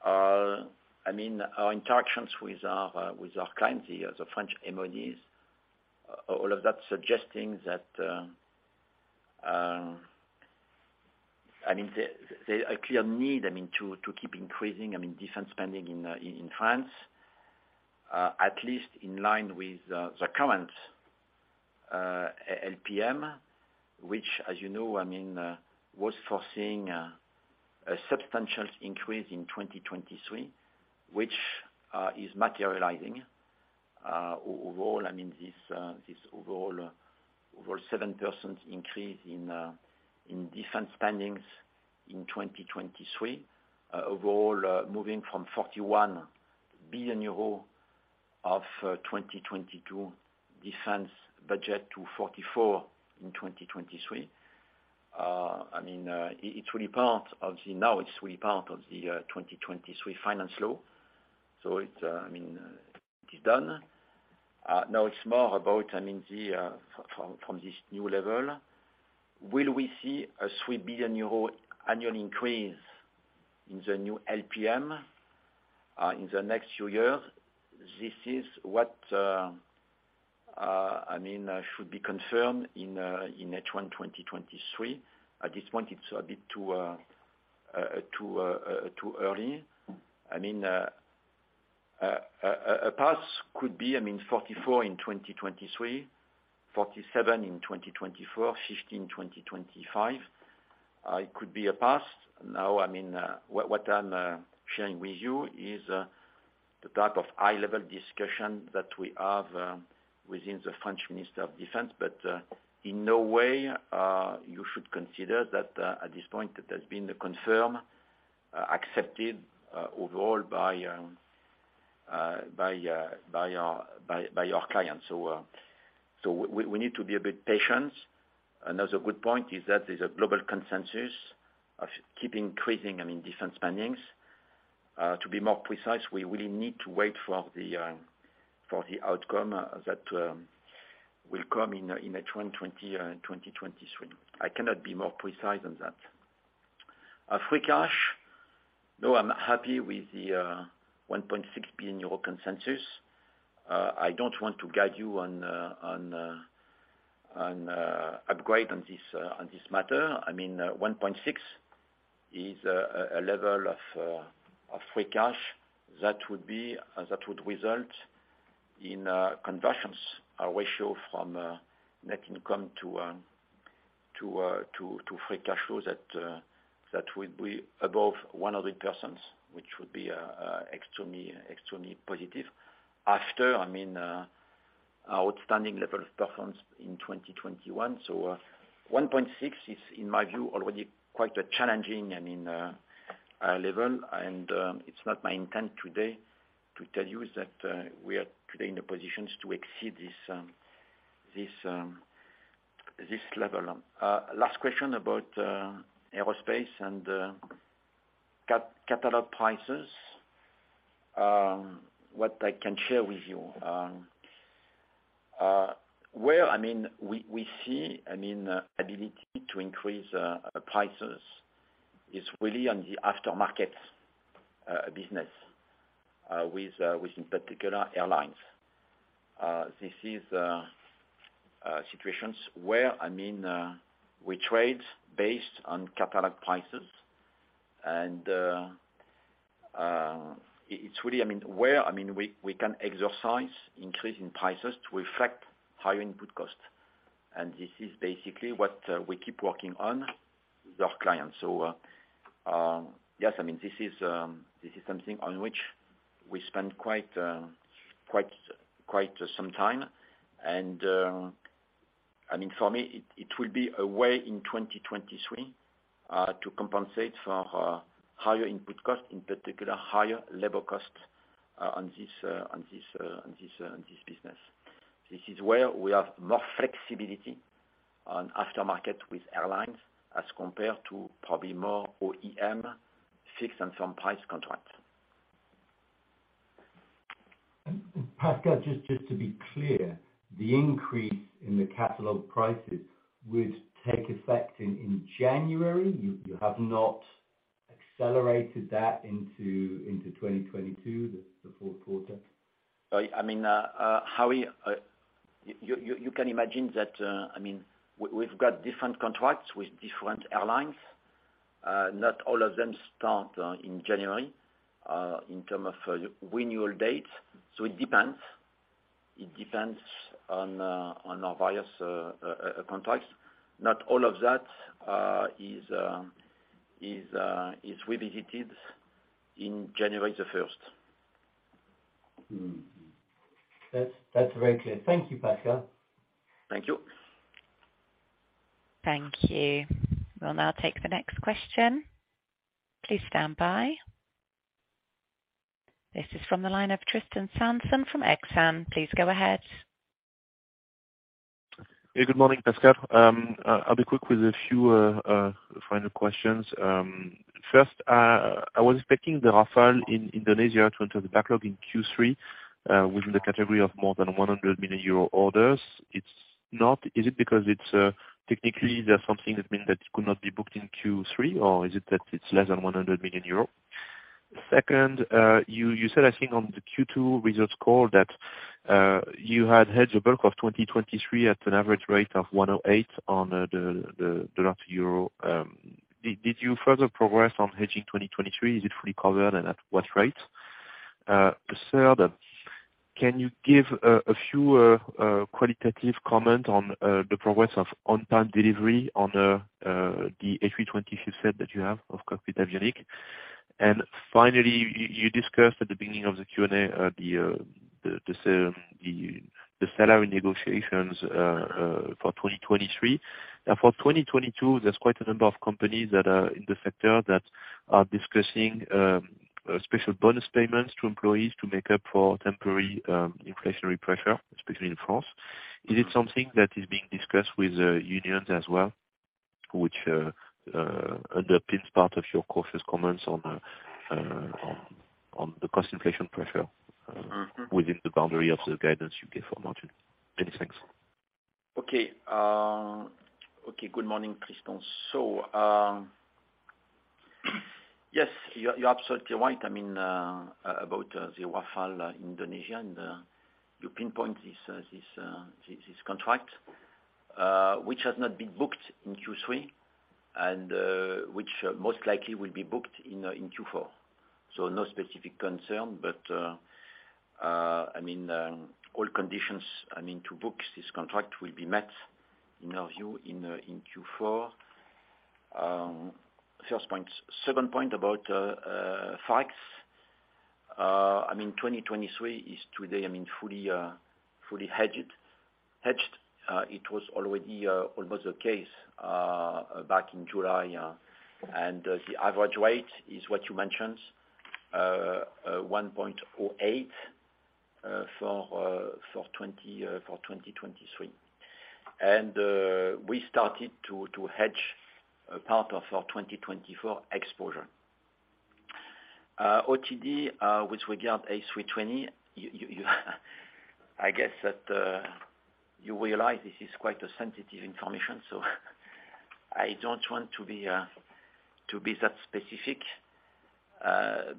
I mean, our interactions with our clients here, the French MOD, all of that's suggesting that there's a clear need, I mean, to keep increasing, I mean, defense spending in France, at least in line with the current LPM, which as you know, I mean, was foreseeing a substantial increase in 2023, which is materializing. Overall, I mean, this overall 7% increase in defense spending in 2023, overall moving from 41 billion euro of 2022 defense budget to 44 billion in 2023. I mean, it's really part of the 2023 finance law. It's, I mean, it is done. Now it's more about, I mean, the, from this new level, will we see a 3 billion euro annual increase in the new LPM in the next few years? This is what, I mean, should be confirmed in H1 2023. At this point, it's a bit too early. I mean, a path could be, I mean, 44 billion in 2023, 47 billion in 2024, 50 billion in 2025. It could be a path. Now, I mean, what I'm sharing with you is the type of high level discussion that we have within the French Ministry of Defense. In no way you should consider that, at this point that there's been the confirmation accepted overall by our clients. We need to be a bit patient. Another good point is that there's a global consensus of keeping increasing, I mean, defense spending. To be more precise, we will need to wait for the outcome that will come in H1 2023. I cannot be more precise than that. I'm happy with the 1.6 billion euro consensus. I don't want to guide you on an upgrade on this matter. I mean, 1.6 billion is a level of free cash that would result in a conversion ratio from net income to free cash flow that would be above 100%, which would be extremely positive after, I mean, our outstanding level of performance in 2021. 1.6 billion is, in my view, already quite a challenging, I mean, level, and it's not my intent today to tell you is that we are today in the positions to exceed this level. Last question about aerospace and catalog prices. What I can share with you, where, I mean, we see, I mean, ability to increase prices is really on the aftermarket business, with, in particular airlines. This is situations where, I mean, we trade based on catalog prices, and it's really, I mean, where, I mean, we can exercise increase in prices to reflect higher input costs. This is basically what we keep working on with our clients. Yes, I mean, this is something on which we spend quite some time. I mean, for me, it will be a way in 2023 to compensate for higher input costs, in particular higher labor cost, on this business. This is where we have more flexibility on aftermarket with airlines as compared to probably more OEM fixed and some price contracts. Pascal, just to be clear, the increase in the catalog prices would take effect in January? You have not accelerated that into 2022, the fourth quarter? I mean, Harry, you can imagine that, I mean, we've got different contracts with different airlines. Not all of them start in January in terms of renewal dates, so it depends. It depends on our various contracts. Not all of that is revisited in January the first. Mm-hmm. That's very clear. Thank you, Pascal. Thank you. Thank you. We'll now take the next question. Please stand by. This is from the line of Tristan Sanson from Exane. Please go ahead. Yeah. Good morning, Pascal. I'll be quick with a few final questions. First, I was expecting the Rafale in Indonesia to enter the backlog in Q3 within the category of more than 100 million euro orders. It's not. Is it because it's technically there's something that means that could not be booked in Q3, or is it that it's less than 100 million euros? Second, you said, I think on the Q2 results call that you had hedged the bulk of 2023 at an average rate of $1.08 on the dollar to euro. Did you further progress on hedging 2023? Is it fully covered, and at what rate? Third, can you give a few qualitative comments on the progress of on-time delivery on the A320 that you have of cockpit Avionics? Finally, you discussed at the beginning of the Q&A the salary negotiations for 2023. Now for 2022, there's quite a number of companies that are in the sector that are discussing special bonus payments to employees to make up for temporary inflationary pressure, especially in France. Is it something that is being discussed with the unions as well, which underpins part of your cautious comments on the cost inflation pressure? Mm-hmm Within the boundary of the guidance you gave for margin? Many thanks. Okay. Good morning, Tristan. Yes, you're absolutely right, I mean, about the Rafale, Indonesia and you pinpoint this contract, which has not been booked in Q3 and which most likely will be booked in Q4, so no specific concern. But I mean all conditions, I mean, to book this contract will be met in our view in Q4. First point. Second point about FX. I mean, 2023 is today fully hedged. It was already almost the case back in July and the average rate is what you mentioned, $1.08 for 2023. We started to hedge a part of our 2024 exposure. OTD with regard to A320, I guess that you realize this is quite a sensitive information, so I don't want to be that specific. I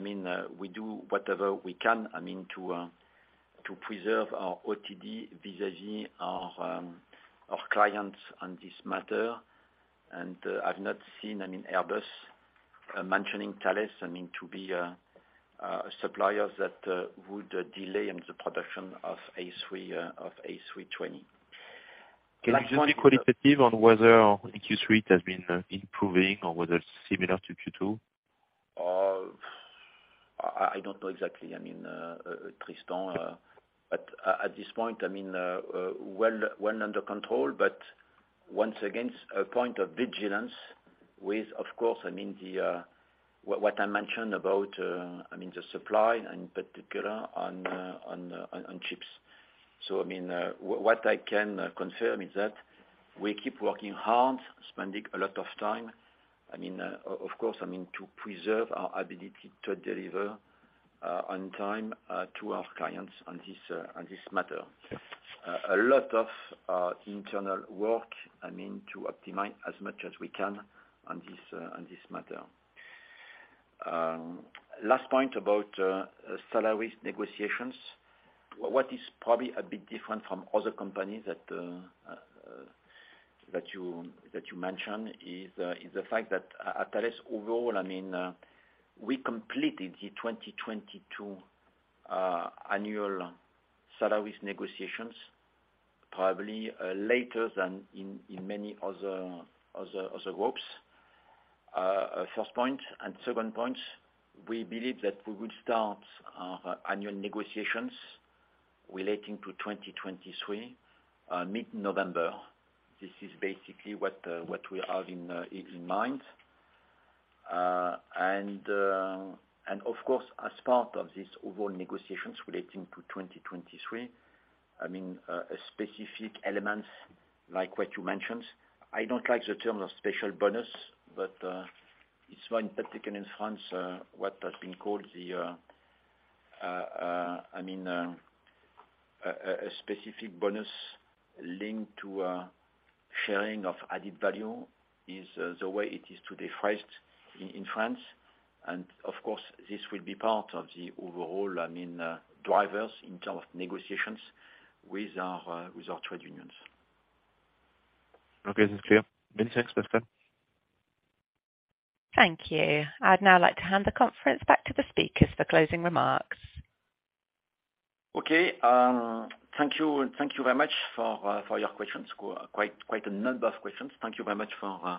mean, we do whatever we can, I mean, to preserve our OTD vis-à-vis our clients on this matter. I've not seen, I mean, Airbus mentioning Thales, I mean, to be a supplier that would delay in the production of A320. Can I just be qualitative on whether in Q3 it has been improving or whether it's similar to Q2? I don't know exactly. I mean, Tristan, but at this point, I mean, well under control, but once again it's a point of vigilance with, of course, I mean, what I mentioned about, I mean, the supply, in particular on chips. So, I mean, what I can confirm is that we keep working hard, spending a lot of time, I mean, of course, I mean, to preserve our ability to deliver on time to our clients on this matter. A lot of internal work, I mean, to optimize as much as we can on this matter. Last point about salary negotiations. What is probably a bit different from other companies that you mentioned is the fact that at Thales overall, I mean, we completed the 2022 annual salaries negotiations, probably later than in many other groups. First point and second point, we believe that we will start our annual negotiations relating to 2023 mid-November. This is basically what we have in mind. Of course, as part of this overall negotiations relating to 2023, I mean, specific elements like what you mentioned. I don't like the term of special bonus, but it's more in particular in France what has been called, I mean, a specific bonus linked to a sharing of added value is the way it is today phrased in France. Of course, this will be part of the overall, I mean, drivers in terms of negotiations with our trade unions. Okay, it's clear. Many thanks, Bertrand. Thank you. I'd now like to hand the conference back to the speakers for closing remarks. Okay. Thank you, and thank you very much for your questions. Quite a number of questions. Thank you very much for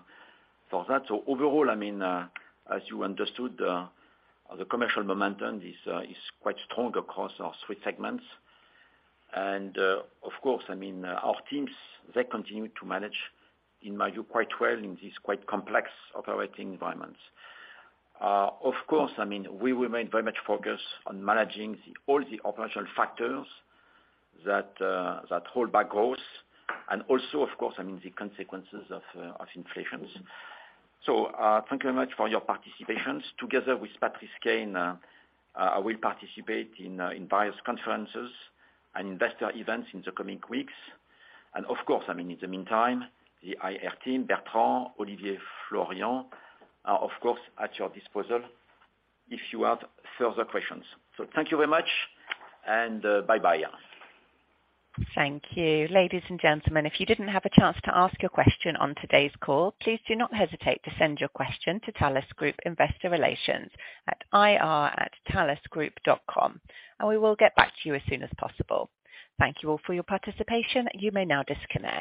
that. Overall, I mean, as you understood, the commercial momentum is quite strong across our three segments. Of course, I mean, our teams, they continue to manage, in my view, quite well in this quite complex operating environment. Of course, I mean, we remain very much focused on managing all the operational factors that hold back growth and also, of course, I mean, the consequences of inflation. Thank you very much for your participation. Together with Patrice Caine, I will participate in various conferences and investor events in the coming weeks. Of course, I mean, in the meantime, the IR team, Bertrand, Olivier, Florian are of course at your disposal if you have further questions. Thank you very much and, bye-bye. Thank you. Ladies and gentlemen, if you didn't have a chance to ask your question on today's call, please do not hesitate to send your question to Thales Group Investor Relations at ir@thalesgroup.com, and we will get back to you as soon as possible. Thank you all for your participation. You may now disconnect.